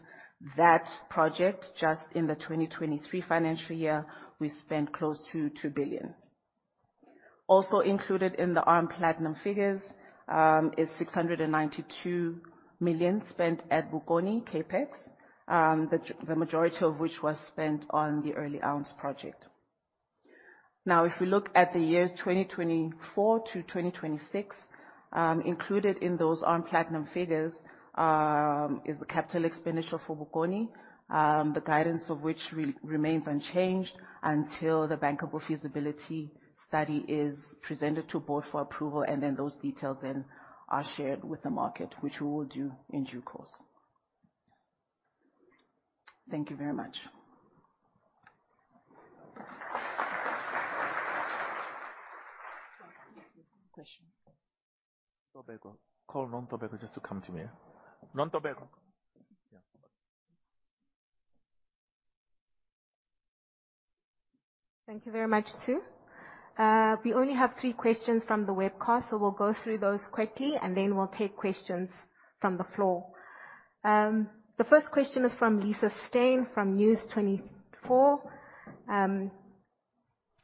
S4: That project, just in the 2023 financial year, we spent close to 2 billion. Also included in the ARM Platinum figures is 692 million spent at Bokoni CapEx, the majority of which was spent on the early ounce project. Now, if we look at the years 2024 to 2026, included in those ARM Platinum figures is the capital expenditure for Bokoni, the guidance of which remains unchanged until the Bankable Feasibility Study is presented to board for approval, and then those details are shared with the market, which we will do in due course. Thank you very much.
S1: Questions.
S2: Call just to come to me. Yeah.
S1: Thank you very much, too. We only have three questions from the webcast, so we'll go through those quickly, and then we'll take questions from the floor. The first question is from Lisa Steyn, from News24.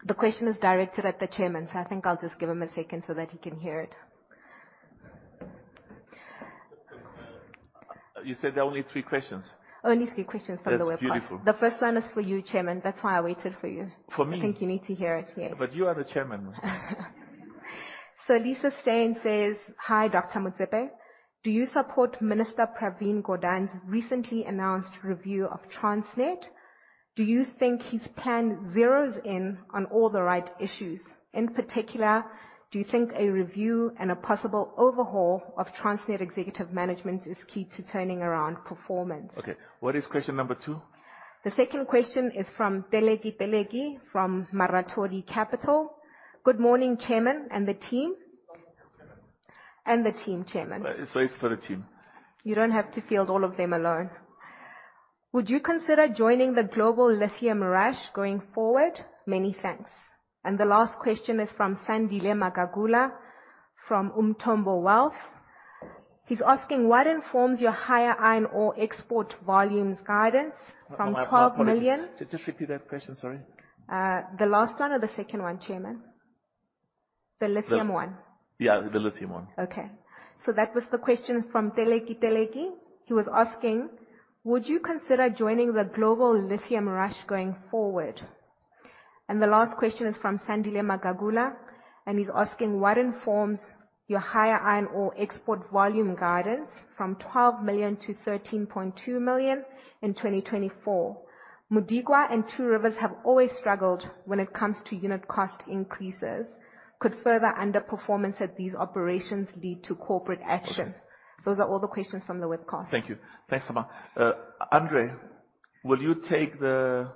S1: The question is directed at the Chairman, so I think I'll just give him a second so that he can hear it.
S2: You said there are only three questions?
S1: Only three questions from the webcast.
S2: That's beautiful.
S1: The first one is for you, Chairman. That's why I waited for you.
S2: For me?
S1: I think you need to hear it, yes.
S2: You are the Chairman.
S1: So Lisa Steyn says, "Hi, Dr. Motsepe. Do you support Minister Pravin Gordhan's recently announced review of Transnet? Do you think his plan zeroes in on all the right issues? In particular, do you think a review and a possible overhaul of Transnet Executive Management is key to turning around performance?
S2: Okay, what is question number two?
S1: The second question is from Pelegi Pelegi, from Marathori Capital. "Good morning, Chairman and the team.
S2: The team, Chairman.
S1: The team, Chairman.
S2: It's nice for the team.
S1: You don't have to field all of them alone. "Would you consider joining the global lithium rush going forward? Many thanks." The last question is from Sandile Magagula, from Umthombo Wealth. He's asking: What informs your higher iron ore export volumes guidance from 12 million-
S2: Just repeat that question, sorry.
S1: The last one or the second one, Chairman? The lithium one.
S2: Yeah, the lithium one.
S1: Okay. So that was the question from Pelegi Pelegi. He was asking, "Would you consider joining the global lithium rush going forward?" And the last question is from Sandile Magagula, and he's asking: "What informs your higher iron ore export volume guidance from 12 million-13.2 million in 2024? Modikwa and Two Rivers have always struggled when it comes to unit cost increases. Could further underperformance at these operations lead to corporate action?" Those are all the questions from the webcast.
S2: Thank you. Thanks so much. André, will you take the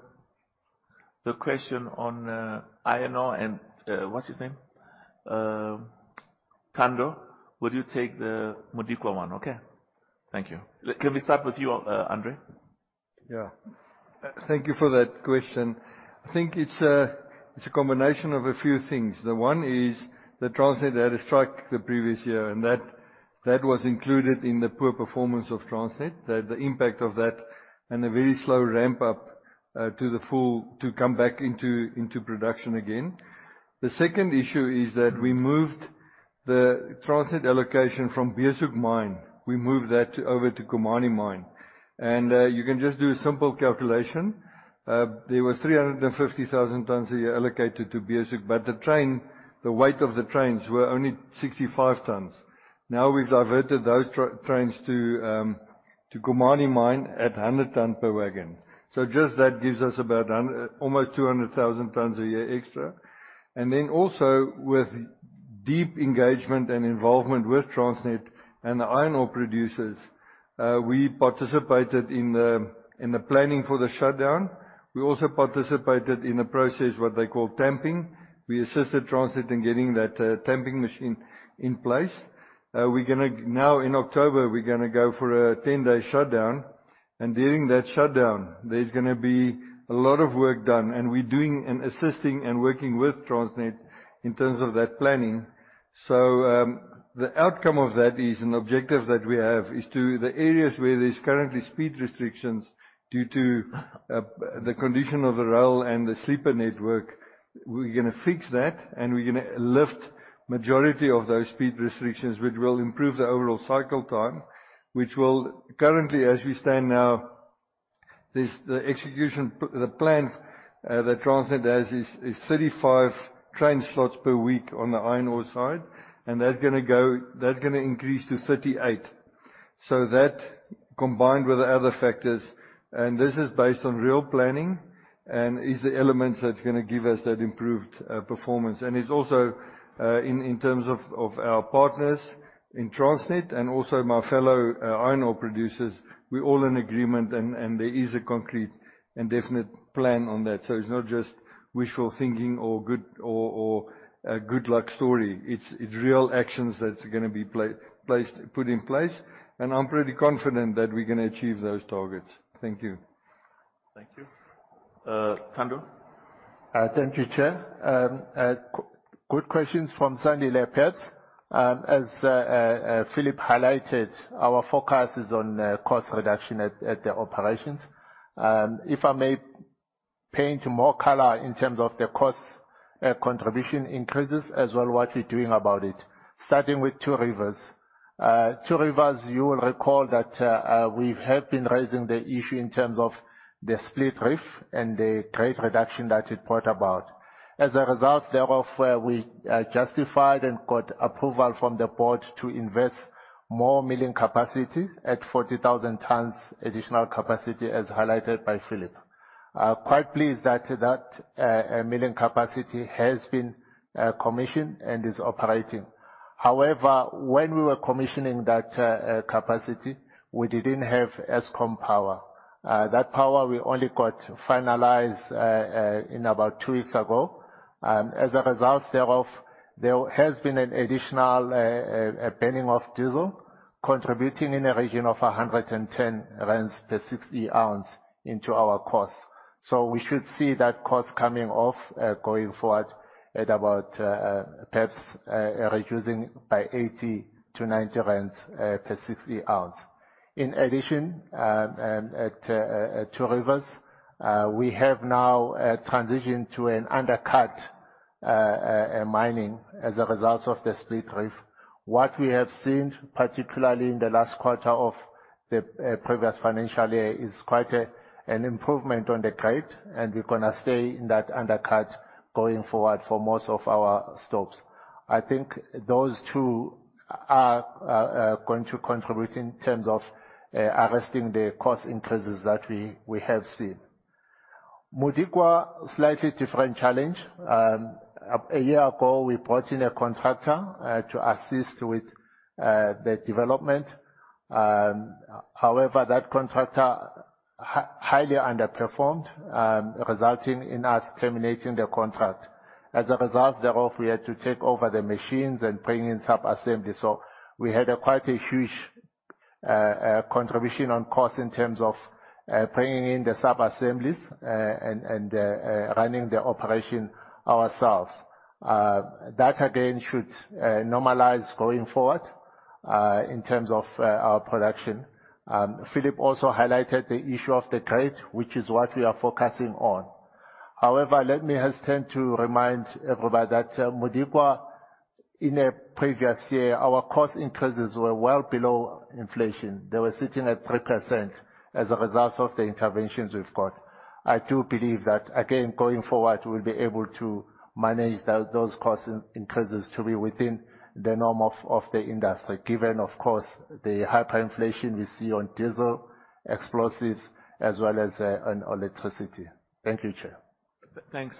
S2: question on INR and what's his name? Thando, would you take the Modikwa one? Okay. Thank you. Can we start with you, André?
S5: Yeah. Thank you for that question. I think it's a, it's a combination of a few things. The one is that Transnet had a strike the previous year, and that, that was included in the poor performance of Transnet. That the impact of that and a very slow ramp up to the full to come back into, into production again. The second issue is that we moved the Transnet allocation from Beeshoek Mine. We moved that over to Khumani Mine. And, you can just do a simple calculation. There was 350,000 tons a year allocated to Beeshoek, but the train, the weight of the trains were only 65 tons. Now, we've diverted those trains to Khumani Mine at 100 ton per wagon. So just that gives us about almost 200,000 tons a year extra. And then also, with deep engagement and involvement with Transnet and the iron ore producers, we participated in the planning for the shutdown. We also participated in a process, what they call tamping. We assisted Transnet in getting that tamping machine in place. Now, in October, we're gonna go for a 10-day shutdown, and during that shutdown, there's gonna be a lot of work done, and we're doing and assisting and working with Transnet in terms of that planning. So, the outcome of that is, and the objectives that we have, is to the areas where there's currently speed restrictions due to the condition of the rail and the sleeper network, we're gonna fix that, and we're gonna lift majority of those speed restrictions, which will improve the overall cycle time. Which will currently, as we stand now, there's the execution, the plan that Transnet has is 35 train slots per week on the iron ore side, and that's gonna increase to 38. So that, combined with the other factors, and this is based on real planning, and is the elements that's gonna give us that improved performance. It's also in terms of our partners in Transnet and also my fellow iron ore producers, we're all in agreement, and there is a concrete and definite plan on that. So it's not just wishful thinking or a good luck story. It's real actions that's gonna be placed, put in place, and I'm pretty confident that we're gonna achieve those targets. Thank you.
S2: Thank you. Thando?
S6: Thank you, Chair. Good questions from Sandile Magagula. As Phillip highlighted, our forecast is on cost reduction at the operations. If I may paint more color in terms of the cost contribution increases, as well, what we're doing about it. Starting with Two Rivers. Two Rivers, you will recall that we have been raising the issue in terms of the split reef and the grade reduction that it brought about. As a result thereof, we justified and got approval from the board to invest more milling capacity at 40,000 tons additional capacity, as highlighted by Phillip. I'm quite pleased that milling capacity has been commissioned and is operating. However, when we were commissioning that capacity, we didn't have Eskom power. That power we only got finalized in about two weeks ago. And as a result thereof, there has been an additional burning of diesel, contributing in a region of 110 rand per 6E ounce into our costs. So we should see that cost coming off going forward at about perhaps reducing by 80-90 rand per 6E ounce. In addition, at Two Rivers, we have now transitioned to an undercut mining as a result of the split reef. What we have seen, particularly in the last quarter of the previous financial year, is quite an improvement on the grade, and we're gonna stay in that undercut going forward for most of our stopes. I think those two are going to contribute in terms of arresting the cost increases that we have seen. Modikwa, slightly different challenge. A year ago, we brought in a contractor to assist with the development. However, that contractor highly underperformed, resulting in us terminating the contract. As a result thereof, we had to take over the machines and bring in sub-assembly. So we had quite a huge contribution on cost in terms of bringing in the sub-assemblies and running the operation ourselves. That again should normalize going forward in terms of our production. Phillip also highlighted the issue of the grade, which is what we are focusing on. However, let me just tend to remind everybody that, Modikwa, in a previous year, our cost increases were well below inflation. They were sitting at 3% as a result of the interventions we've got. I do believe that, again, going forward, we'll be able to manage those cost increases to be within the norm of the industry, given, of course, the hyperinflation we see on diesel, explosives, as well as on electricity. Thank you, Chair.
S2: Thanks,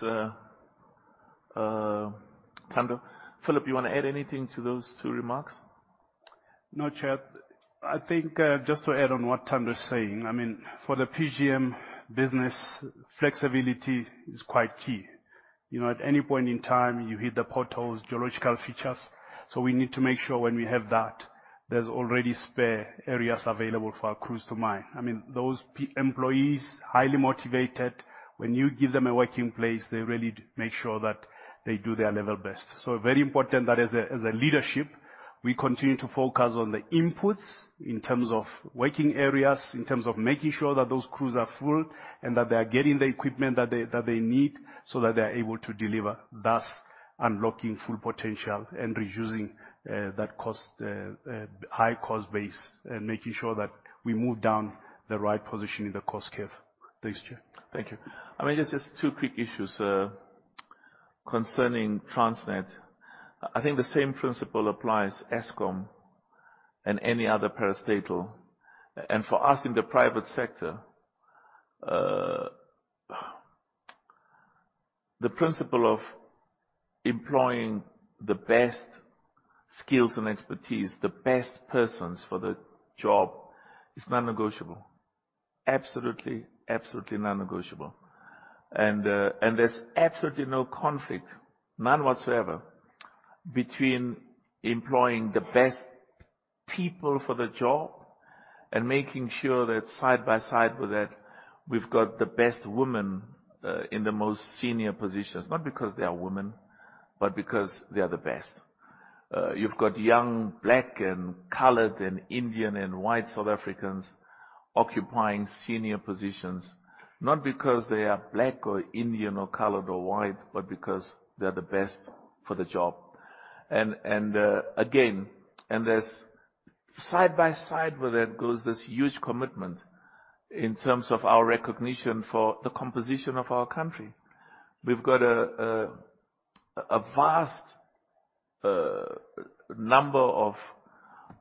S2: Thando. Phillip, you want to add anything to those two remarks?
S3: No, Chair. I think, just to add on what Thando is saying, I mean, for the PGM business, flexibility is quite key. You know, at any point in time, you hit the potholes, geological features, so we need to make sure when we have that, there's already spare areas available for our crews to mine. I mean, those employees, highly motivated. When you give them a working place, they really make sure that they do their level best. Very important that as a leadership, we continue to focus on the inputs in terms of working areas, in terms of making sure that those crews are full, and that they are getting the equipment that they need, so that they're able to deliver, thus unlocking full potential and reducing that high cost base, and making sure that we move down the right position in the cost curve. Thanks, Chair.
S2: Thank you. I mean, just, just two quick issues concerning Transnet, I think the same principle applies to Eskom and any other parastatal. And for us in the private sector, the principle of employing the best skills and expertise, the best persons for the job, is non-negotiable. Absolutely, absolutely non-negotiable. And, and there's absolutely no conflict, none whatsoever, between employing the best people for the job and making sure that side by side with that, we've got the best women in the most senior positions, not because they are women, but because they are the best. You've got young, black and colored, and Indian, and white South Africans occupying senior positions, not because they are black or Indian, or colored, or white, but because they're the best for the job. And again, there's side by side with that goes this huge commitment in terms of our recognition for the composition of our country. We've got a vast number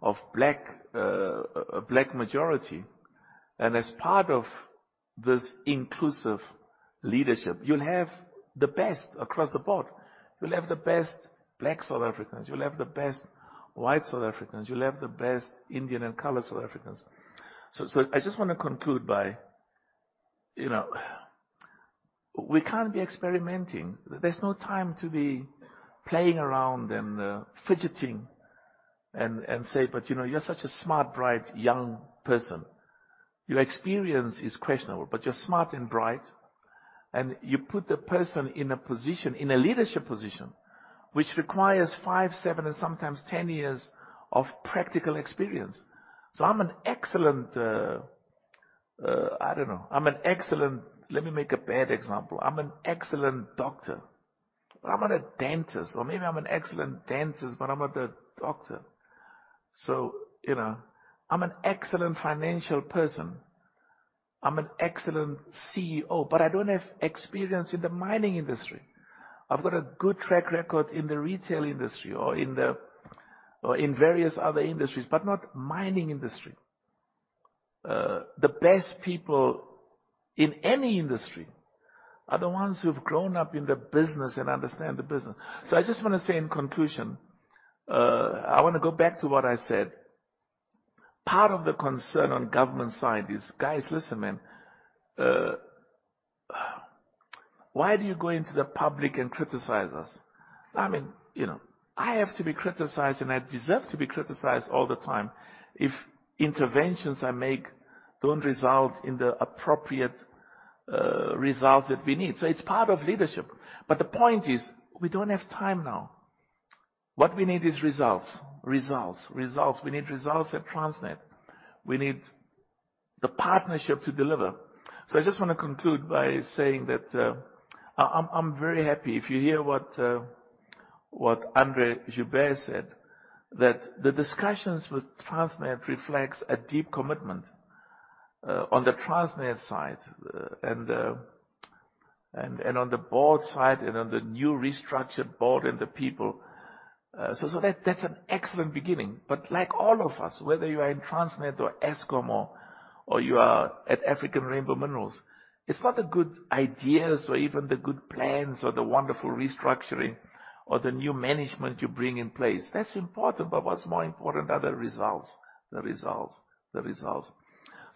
S2: of black majority, and as part of this inclusive leadership, you'll have the best across the board. You'll have the best black South Africans, you'll have the best white South Africans, you'll have the best Indian and colored South Africans. So I just want to conclude by, you know, we can't be experimenting. There's no time to be playing around and fidgeting and say, "But, you know, you're such a smart, bright, young person. Your experience is questionable, but you're smart and bright." And you put the person in a position, in a leadership position, which requires five, seven, and sometimes 10 years of practical experience. So I'm an excellent-- Let me make a bad example. I'm an excellent doctor, but I'm not a dentist. Or maybe I'm an excellent dentist, but I'm not a doctor. So, you know, I'm an excellent financial person, I'm an excellent CEO, but I don't have experience in the mining industry. I've got a good track record in the retail industry or in the, or in various other industries, but not mining industry. The best people in any industry are the ones who've grown up in the business and understand the business. So I just want to say in conclusion, I want to go back to what I said. Part of the concern on government side is, guys, listen, man, why do you go into the public and criticize us? I mean, you know, I have to be criticized, and I deserve to be criticized all the time if interventions I make don't result in the appropriate, results that we need. So it's part of leadership, but the point is, we don't have time now. What we need is results, results, results. We need results at Transnet. We need the partnership to deliver. So I just want to conclude by saying that, I'm very happy. If you hear what, what André Joubert said, that the discussions with Transnet reflects a deep commitment, on the Transnet side, and, and, and on the board side, and on the new restructured board and the people. So, so that, that's an excellent beginning. But like all of us, whether you are in Transnet or Eskom, or you are at African Rainbow Minerals, it's not the good ideas or even the good plans or the wonderful restructuring or the new management you bring in place. That's important, but what's more important are the results, the results, the results.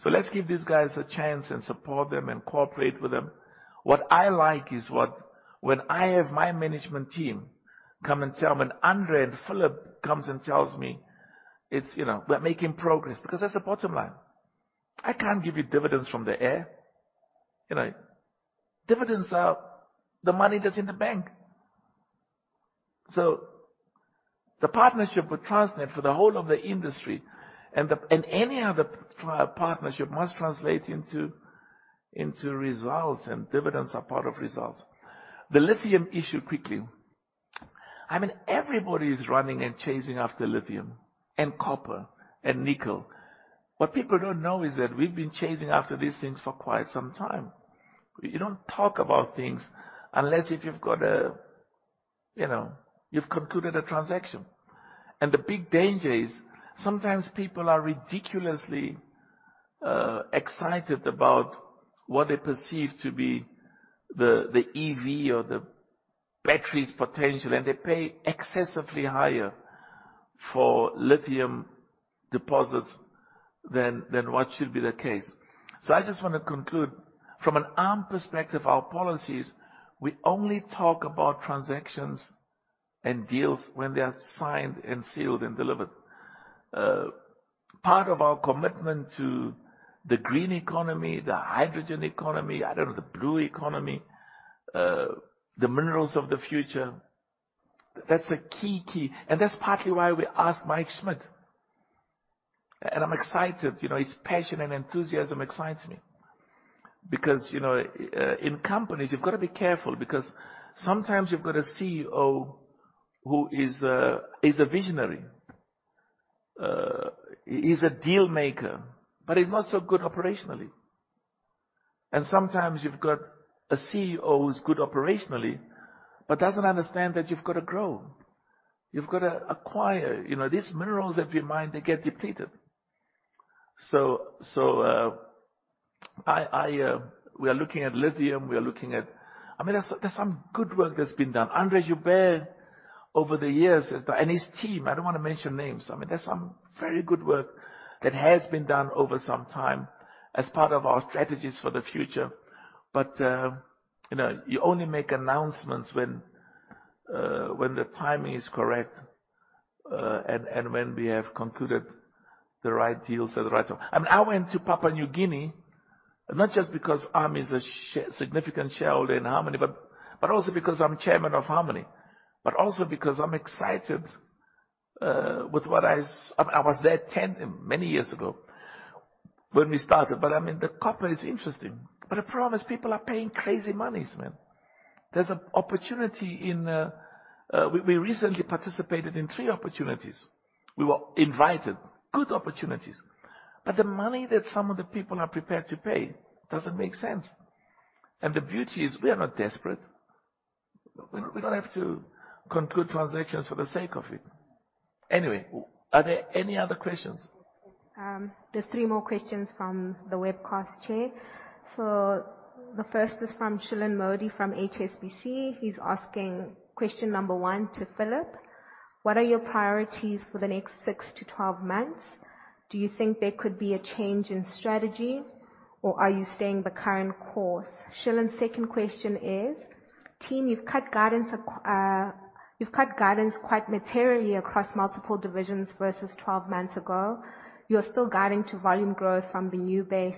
S2: So let's give these guys a chance and support them and cooperate with them. What I like is what when I have my management team come and tell me, when André and Phillip comes and tells me it's, you know, we're making progress, because that's the bottom line. I can't give you dividends from the air, you know? Dividends are the money that's in the bank. So the partnership with Transnet for the whole of the industry, and the and any other partnership must translate into, into results, and dividends are part of results. The lithium issue, quickly. I mean, everybody is running and chasing after lithium, and copper, and nickel. What people don't know is that we've been chasing after these things for quite some time. You don't talk about things unless if you've got a, you know, you've concluded a transaction. And the big danger is sometimes people are ridiculously excited about what they perceive to be the EV or the battery's potential, and they pay excessively higher for lithium deposits than what should be the case. So I just want to conclude, from an ARM perspective, our policies, we only talk about transactions and deals when they are signed, and sealed, and delivered. Part of our commitment to the green economy, the hydrogen economy, I don't know, the blue economy, the minerals of the future, that's a key, key. And that's partly why we asked Mike Schmidt, and I'm excited. You know, his passion and enthusiasm excites me. Because, you know, in companies, you've got to be careful because sometimes you've got a CEO who is a visionary. He's a deal maker, but he's not so good operationally. And sometimes you've got a CEO who's good operationally, but doesn't understand that you've got to grow, you've got to acquire. You know, these minerals that you mine, they get depleted. So, we are looking at lithium. We are looking at—I mean, there's some good work that's been done. André Joubert, over the years, has done, and his team, I don't want to mention names. I mean, there's some very good work that has been done over some time as part of our strategies for the future. But, you know, you only make announcements when, when the timing is correct, and, and when we have concluded the right deals at the right time. I mean, I went to Papua New Guinea, not just because ARM is a significant shareholder in Harmony, but, but also because I'm chairman of Harmony, but also because I'm excited, with what I was there many years ago when we started. But, I mean, the copper is interesting, but I promise people are paying crazy monies, man. There's an opportunity in, we, we recently participated in three opportunities. We were invited. Good opportunities, but the money that some of the people are prepared to pay doesn't make sense, and the beauty is, we are not desperate. We don't, we don't have to conclude transactions for the sake of it. Anyway, are there any other questions?
S1: There's three more questions from the webcast, Chair. So the first is from Shilan Modi, from HSBC. He's asking question number one to Phillip: What are your priorities for the next six to 12 months? Do you think there could be a change in strategy, or are you staying the current course? Shilan's second question is: Team, you've cut guidance quite materially across multiple divisions versus 12 months ago. You're still guiding to volume growth from the new base.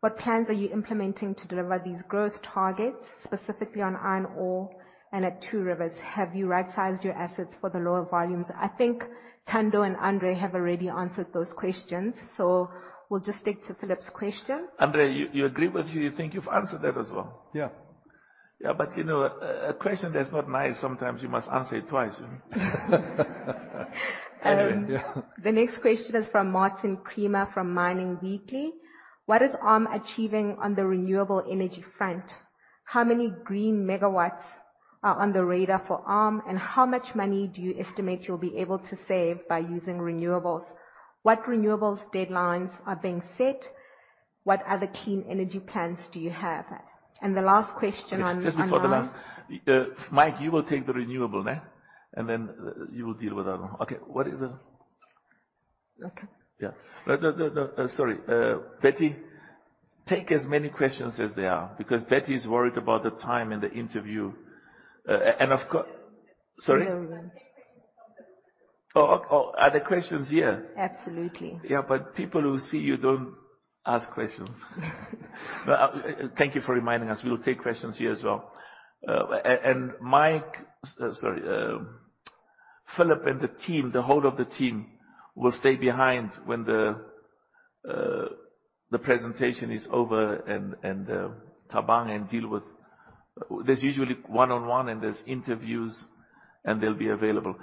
S1: What plans are you implementing to deliver these growth targets, specifically on iron ore and at Two Rivers? Have you right-sized your assets for the lower volumes? I think Thando and André have already answered those questions, so we'll just stick to Phillip's question.
S2: André, you agree with me? You think you've answered that as well?
S5: Yeah.
S2: Yeah, but you know, a question that's not nice. Sometimes you must answer it twice, anyway.
S5: Yeah.
S1: The next question is from Martin Creamer, from Mining Weekly. What is ARM achieving on the renewable energy front? How many green megawatts are on the radar for ARM, and how much money do you estimate you'll be able to save by using renewables? What renewables deadlines are being set? What other clean energy plans do you have? And the last question on, on-
S2: Just before the last, Mike, you will take the renewable, né? And then you will deal with that one. Okay, what is the-
S7: Okay.
S2: Yeah. No, no, no, no, sorry, Betty, take as many questions as there are, because Betty is worried about the time and the interview. And of course, sorry?
S4: We are done.
S2: Oh, oh, are there questions here?
S1: Absolutely.
S2: Yeah, but people who see you don't ask questions. But thank you for reminding us. We will take questions here as well. And Mike, sorry, Phillip and the team, the whole of the team, will stay behind when the presentation is over, and Thabang, and deal with, there's usually one-on-one, and there's interviews, and they'll be available.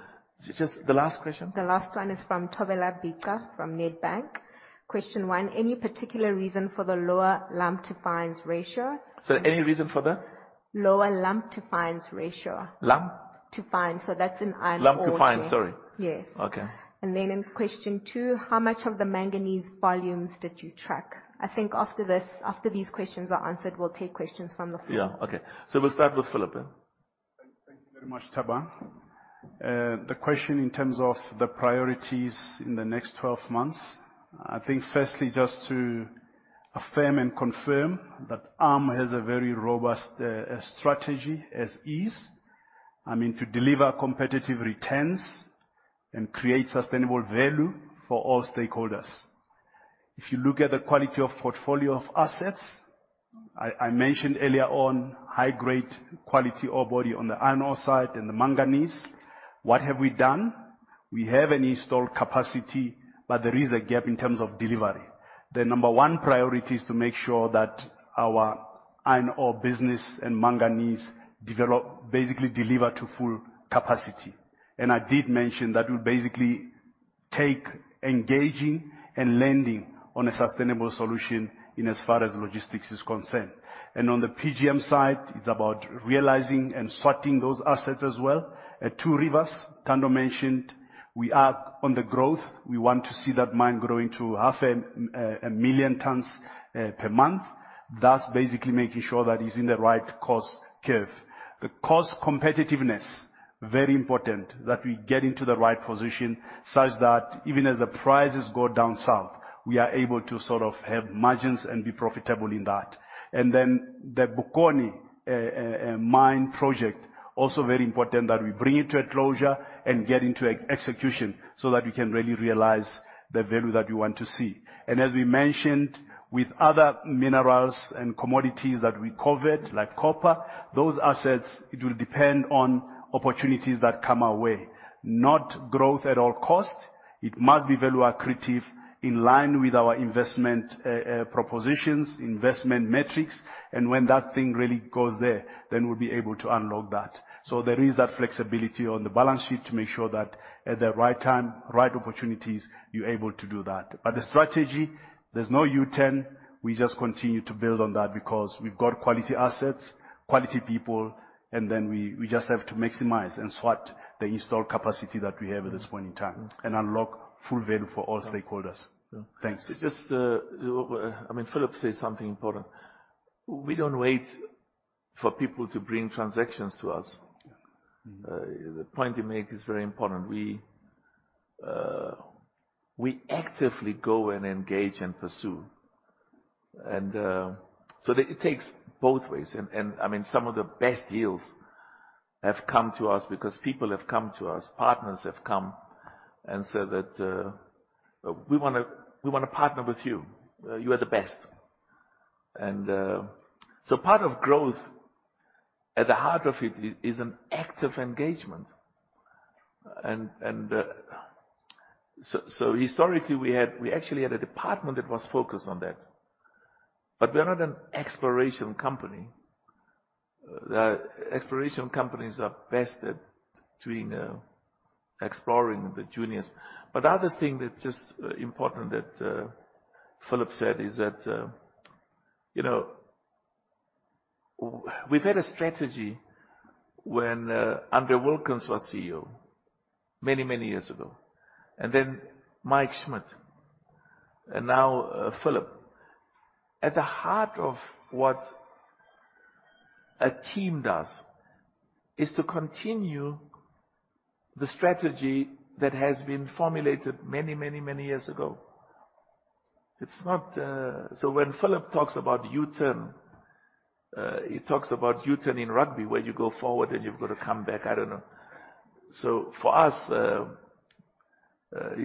S2: Just the last question.
S1: The last one is from [Thobeka Bika], from Nedbank. Question one, any particular reason for the lower lump-to-fines ratio?
S2: Sorry, any reason for the?
S1: Lower lump-to-fines ratio.
S2: Lump?
S1: To fines. So that's an iron ore-
S2: Lump to fines, sorry.
S1: Yes.
S2: Okay.
S1: And then in question two, how much of the manganese volumes did you track? I think after this, after these questions are answered, we'll take questions from the floor.
S2: Yeah. Okay. So we'll start with Phillip, then.
S3: Thank you very much, Thabang. The question in terms of the priorities in the next 12 months, I think, firstly, just to affirm and confirm that ARM has a very robust strategy as is, I mean, to deliver competitive returns and create sustainable value for all stakeholders. If you look at the quality of portfolio of assets, I mentioned earlier on high-grade quality ore body on the iron ore site and the manganese. What have we done? We have an installed capacity, but there is a gap in terms of delivery. The number one priority is to make sure that our iron ore business and manganese develop, basically deliver to full capacity. I did mention that would basically take engaging and landing on a sustainable solution in as far as logistics is concerned. On the PGM side, it's about realizing and sorting those assets as well. At Two Rivers, Thando mentioned we are on the growth. We want to see that mine growing to 500,000 tons per month, thus basically making sure that it's in the right cost curve. The cost competitiveness, very important that we get into the right position such that even as the prices go down south, we are able to sort of have margins and be profitable in that. And then the Bokoni mine project, also very important that we bring it to a closure and get into execution, so that we can really realize the value that we want to see. And as we mentioned, with other minerals and commodities that we covet, like copper, those assets, it will depend on opportunities that come our way, not growth at all costs. It must be value accretive, in line with our investment propositions, investment metrics, and when that thing really goes there, then we'll be able to unlock that. So there is that flexibility on the balance sheet to make sure that at the right time, right opportunities, you're able to do that. But the strategy, there's no U-turn. We just continue to build on that because we've got quality assets, quality people, and then we, we just have to maximize and sweat the installed capacity that we have at this point in time and unlock full value for all stakeholders. Thanks.
S2: Just, I mean, Phillip said something important. We don't wait for people to bring transactions to us.
S3: Yeah.
S2: The point you make is very important. We, we actively go and engage and pursue. And, so it, it takes both ways. And, and I mean, some of the best deals have come to us because people have come to us, partners have come and said that, "We wanna, we wanna partner with you. You are the best." And, so part of growth, at the heart of it is, is an active engagement. And, and, so, so historically, we had, we actually had a department that was focused on that, but we are not an exploration company. The exploration companies are best at doing, exploring the juniors. But the other thing that's just important that Phillip said is that, you know, we've had a strategy when André Wilkens was CEO many, many years ago, and then Mike Schmidt, and now, Phillip. At the heart of what a team does is to continue the strategy that has been formulated many, many, many years ago. It's not, so when Phillip talks about U-turn, he talks about U-turn in rugby, where you go forward and you've got to come back. I don't know. So for us,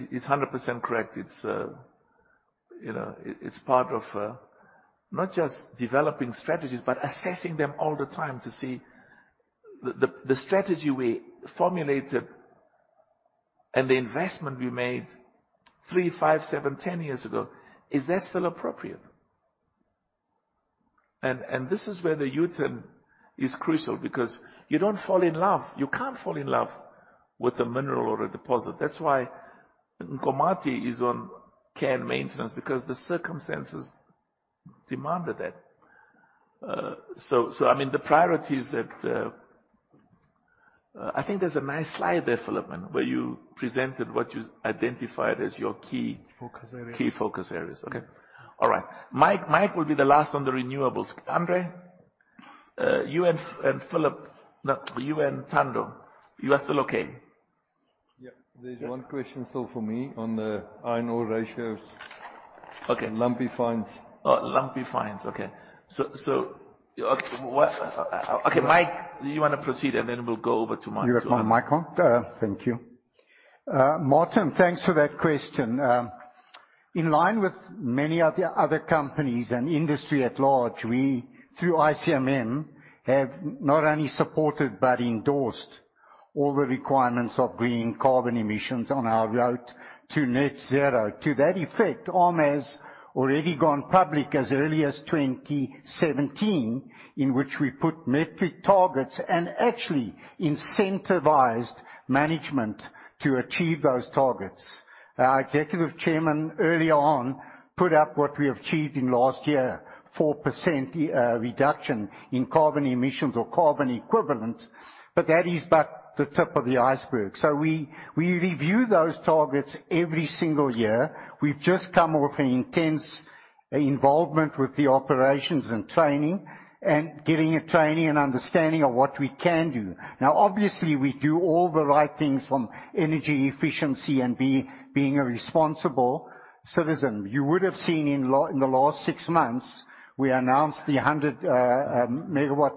S2: he's 100% correct. It's, you know, it, it's part of, not just developing strategies, but assessing them all the time to see the, the, the strategy we formulated and the investment we made three, five, seven, 10 years ago, is that still appropriate? This is where the U-turn is crucial because you don't fall in love, you can't fall in love with a mineral or a deposit. That's why Nkomati is on care and maintenance, because the circumstances demanded that. I mean, the priorities that I think there's a nice slide there, Phillip, where you presented what you identified as your key-
S3: Focus areas.
S2: Key focus areas. Okay. All right. Mike, Mike will be the last on the renewables. André, you and, and Phillip—no, you and Thando, you are still okay?
S5: Yeah. There's one question still for me on the iron ore ratios.
S2: Okay.
S5: Lumpy fines.
S2: Oh, lumpy fines. Okay. Okay, Mike, do you wanna proceed, and then we'll go over to Mike?
S7: You're on microphone. Thank you. Martin, thanks for that question. In line with many of the other companies and industry at large, we, through ICMM, have not only supported but endorsed all the requirements of green carbon emissions on our road to net zero. To that effect, ARM has already gone public as early as 2017, in which we put metric targets and actually incentivized management to achieve those targets. Our executive chairman, early on, put up what we achieved in last year, 4% reduction in carbon emissions or carbon equivalent, but that is but the tip of the iceberg. So we, we review those targets every single year. We've just come off an intense involvement with the operations and training, and getting a training and understanding of what we can do. Now, obviously, we do all the right things from energy efficiency and being a responsible citizen. You would have seen in the last six months, we announced the 100 MW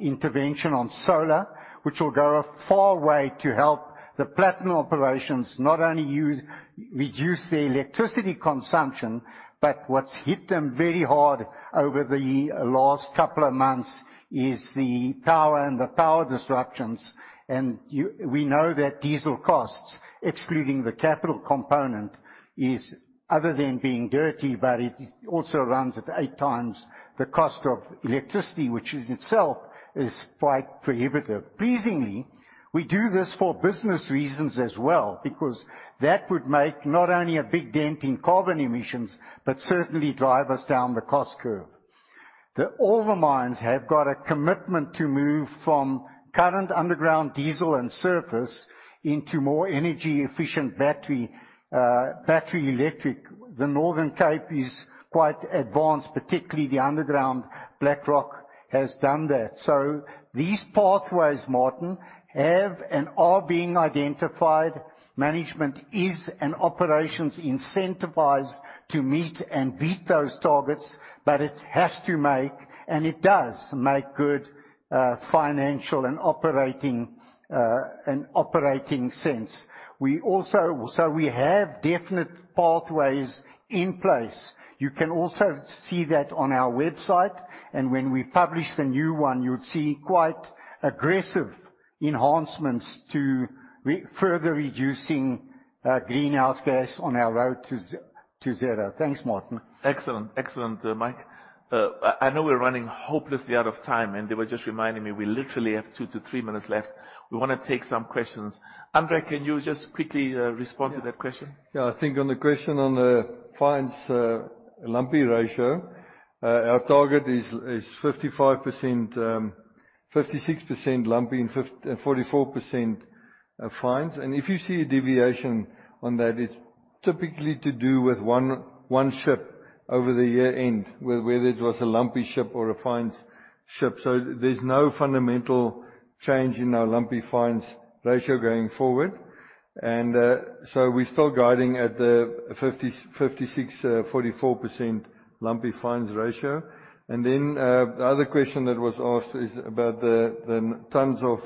S7: intervention on solar, which will go a far way to help the platinum operations not only use, reduce their electricity consumption, but what's hit them very hard over the last couple of months is the power and the power disruptions. And you know that diesel costs, excluding the capital component, is other than being dirty, but it also runs at eight times the cost of electricity, which in itself is quite prohibitive. Pleasingly, we do this for business reasons as well, because that would make not only a big dent in carbon emissions, but certainly drive us down the cost curve. All the mines have got a commitment to move from current underground diesel and surface into more energy-efficient battery electric. The Northern Cape is quite advanced, particularly the underground. Black Rock has done that. So these pathways, Martin, have and are being identified. Management is, and operations, incentivized to meet and beat those targets, but it has to make, and it does make good financial and operating sense. So we have definite pathways in place. You can also see that on our website, and when we publish the new one, you'll see quite aggressive enhancements to further reducing greenhouse gas on our road to zero. Thanks, Martin.
S2: Excellent. Excellent, Mike. I know we're running hopelessly out of time, and they were just reminding me, we literally have two to three minutes left. We wanna take some questions. André, can you just quickly respond to that question?
S5: Yeah. I think on the question on the fines, lumpy ratio, our target is 55%, 56% lumpy and 44% fines. And if you see a deviation on that, it's typically to do with one ship over the year end, whether it was a lumpy ship or a fines ship. So there's no fundamental change in our lumpy fines ratio going forward. And so we're still guiding at the 56%, 44% lumpy fines ratio. And then the other question that was asked is about the tons of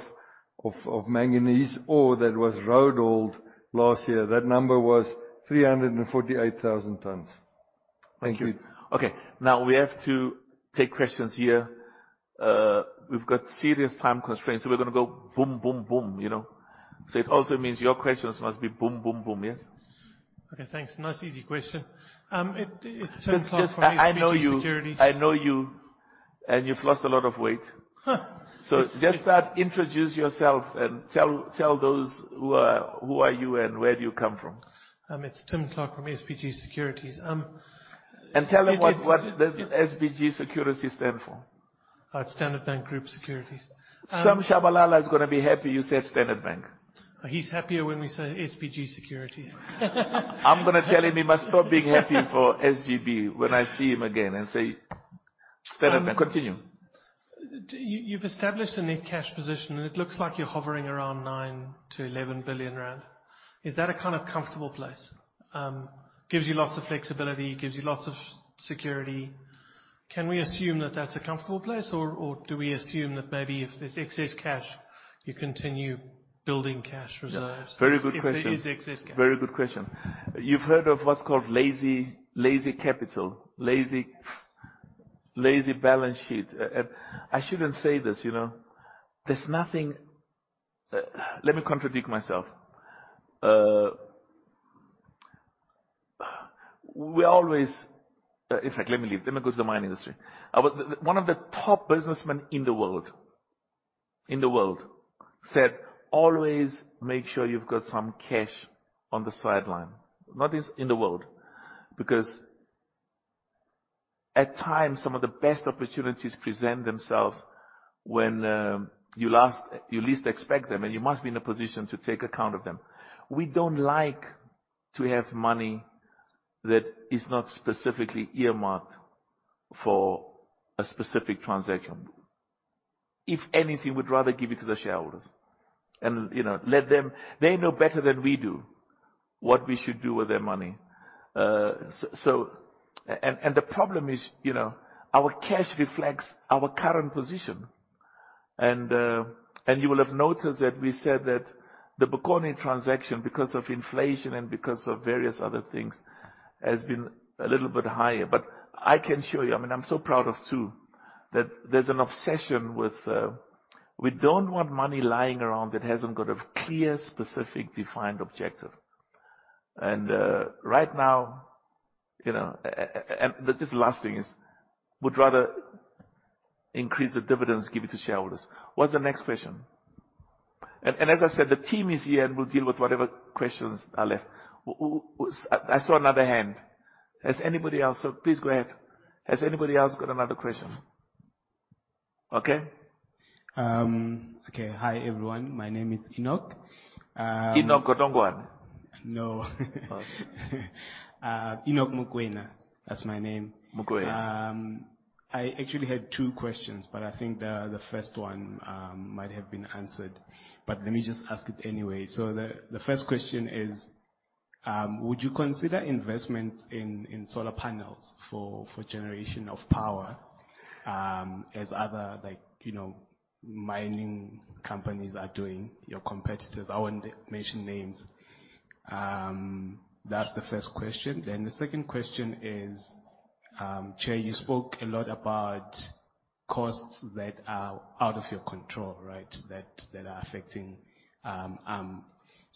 S5: manganese ore that was road hauled last year. That number was 348,000 tons. Thank you.
S2: Okay, now we have to take questions here. We've got serious time constraints, so we're gonna go boom, boom, boom, you know? So it also means your questions must be boom, boom, boom. Yes?
S8: Okay, thanks. Nice, easy question.
S2: Just, I know you.
S8: -Securities.
S2: I know you, and you've lost a lot of weight. So just start, introduce yourself and tell, tell those who are, who are you, and where do you come from?
S8: It's Tim Clark from SBG Securities.
S2: Tell them what, what does SBG Securities stand for?
S8: Standard Bank Group Securities.
S2: Some Shabalala is gonna be happy you said Standard Bank.
S8: He's happier when we say SBG Securities.
S2: I'm gonna tell him he must stop being happy for SBG when I see him again and say, Standard Bank. Continue.
S8: You, you've established a net cash position, and it looks like you're hovering around 9 billion-11 billion rand. Is that a kind of comfortable place? Gives you lots of flexibility, gives you lots of security. Can we assume that that's a comfortable place, or, or do we assume that maybe if there's excess cash, you continue building cash reserves?
S2: Yeah. Very good question.
S8: If there is excess cash.
S2: Very good question. You've heard of what's called lazy, lazy capital, lazy, lazy balance sheet. I shouldn't say this, you know. There's nothing, let me contradict myself. We always, in fact, let me leave. Let me go to the mining industry. One of the top businessmen in the world said, "Always make sure you've got some cash on the sideline." Not in the world. "Because at times, some of the best opportunities present themselves when you least expect them, and you must be in a position to take account of them." We don't like to have money that is not specifically earmarked for a specific transaction. If anything, we'd rather give it to the shareholders and, you know, let them. They know better than we do, what we should do with their money. So, the problem is, you know, our cash reflects our current position. You will have noticed that we said that the Bokoni transaction, because of inflation and because of various other things, has been a little bit higher. But I can assure you, I mean, I'm so proud of two, that there's an obsession with, we don't want money lying around that hasn't got a clear, specific, defined objective. Right now, you know, just the last thing is, we'd rather increase the dividends, give it to shareholders. What's the next question? As I said, the team is here, and we'll deal with whatever questions are left. I saw another hand. Has anybody else? Please go ahead. Has anybody else got another question? Okay.
S9: Okay. Hi, everyone. My name is Enoch.
S2: Enoch Godongwana?
S9: No.
S2: Okay.
S9: Enoch Mokoena. That's my name.
S2: Mokoena.
S9: I actually had two questions, but I think the first one might have been answered, but let me just ask it anyway. So the first question is, would you consider investment in solar panels for generation of power, as other, like, you know, mining companies are doing, your competitors? I won't mention names. That's the first question. Then the second question is, Chair, you spoke a lot about costs that are out of your control, right? That are affecting ARM.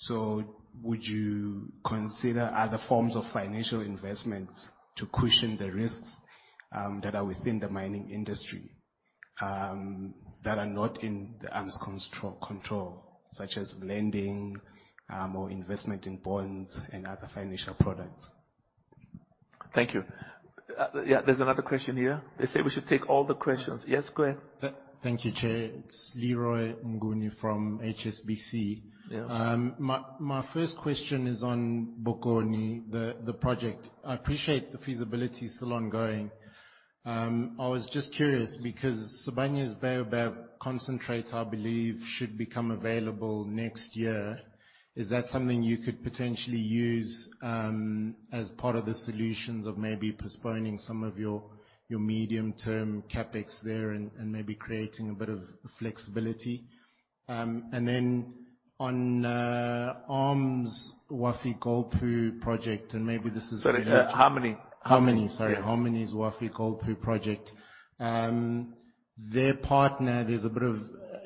S9: So would you consider other forms of financial investments to cushion the risks that are within the mining industry that are not in the ARM's control, such as lending or investment in bonds and other financial products?
S2: Thank you. Yeah, there's another question here. They say we should take all the questions. Yes, go ahead.
S10: Thank you, Chair. It's Leroy Mnguni from HSBC.
S2: Yes.
S10: My first question is on Bokoni, the project. I appreciate the feasibility is still ongoing. I was just curious because Sibanye's Baobab concentrate, I believe, should become available next year. Is that something you could potentially use as part of the solutions of maybe postponing some of your medium-term CapEx there and maybe creating a bit of flexibility? And then on ARM's Wafi-Golpu Project, and maybe this is-
S2: Sorry, Harmony.
S10: Harmony, sorry.
S2: Yes.
S10: Harmony's Wafi-Golpu Project. Their partner, there's a bit of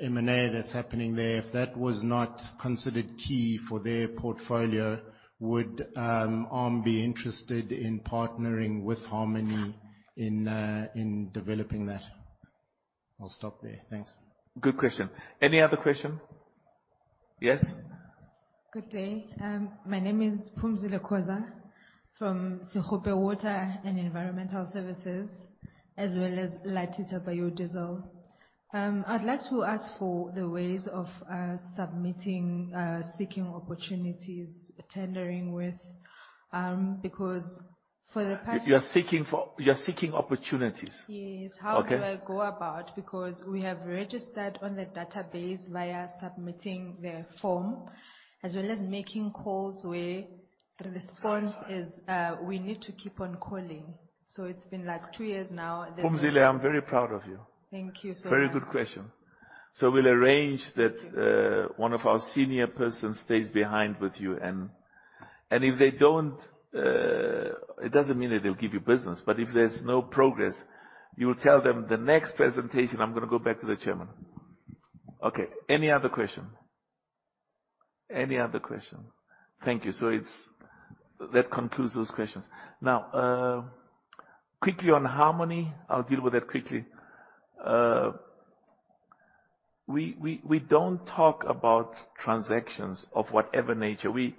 S10: M&A that's happening there. If that was not considered key for their portfolio, would ARM be interested in partnering with Harmony in developing that? I'll stop there. Thanks.
S2: Good question. Any other question? Yes?
S11: Good day. My name is Phumzile Khoza from Sekhukhune Water and Environmental Services, as well as Latita Biodiesel. I'd like to ask for the ways of submitting seeking opportunities, tendering with, because for the past-
S2: You're seeking opportunities?
S11: Yes.
S2: Okay.
S11: How do I go about? Because we have registered on the database via submitting the form, as well as making calls where the response is, we need to keep on calling. So it's been, like, two years now, and there's-
S2: Phumzile, I'm very proud of you.
S11: Thank you so much.
S2: Very good question. So we'll arrange that, one of our senior persons stays behind with you, and, and if they don't, it doesn't mean that they'll give you business, but if there's no progress, you will tell them, "The next presentation, I'm gonna go back to the chairman." Okay. Any other question? Any other question? Thank you. That concludes those questions. Now, quickly on Harmony. I'll deal with that quickly. We, we, we don't talk about transactions of whatever nature. We,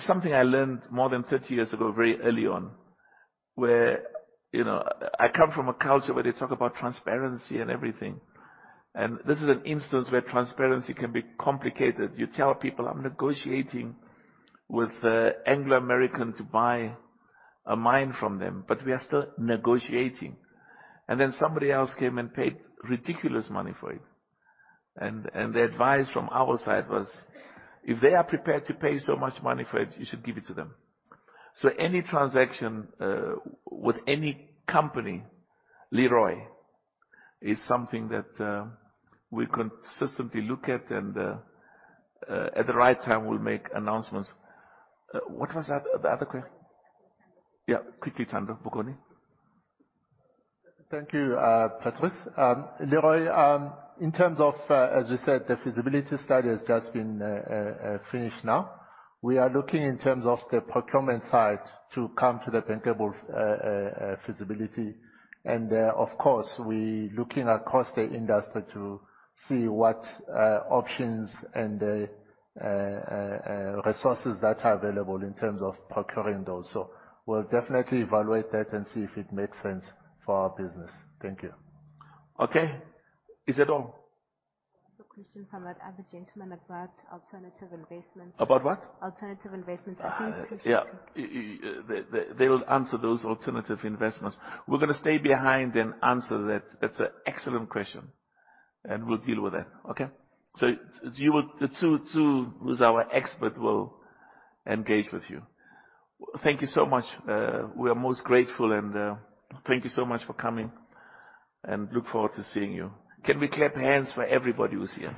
S2: something I learned more than 30 years ago, very early on, where, you know, I come from a culture where they talk about transparency and everything, and this is an instance where transparency can be complicated. You tell people, "I'm negotiating with, Anglo American to buy a mine from them," but we are still negotiating. Then somebody else came and paid ridiculous money for it, and the advice from our side was, "If they are prepared to pay so much money for it, you should give it to them." So any transaction with any company, Leroy, is something that we consistently look at, and at the right time, we'll make announcements. What was that, the other question? Yeah, quickly, Thando, Bokoni.
S6: Thank you, Patrice. Leroy, in terms of, as you said, the feasibility study has just been finished now. We are looking in terms of the procurement side to come to the bankable feasibility. Of course, we're looking across the industry to see what options and resources that are available in terms of procuring those. We'll definitely evaluate that and see if it makes sense for our business. Thank you.
S2: Okay. Is that all?
S1: There's a question from that other gentleman about alternative investment.
S2: About what?
S1: Alternative investment,
S2: Yeah. They will answer those alternative investments. We're gonna stay behind and answer that. That's an excellent question, and we'll deal with that. Okay? So you will, the two, who's our expert, will engage with you. Thank you so much. We are most grateful, and thank you so much for coming, and look forward to seeing you. Can we clap hands for everybody who's here?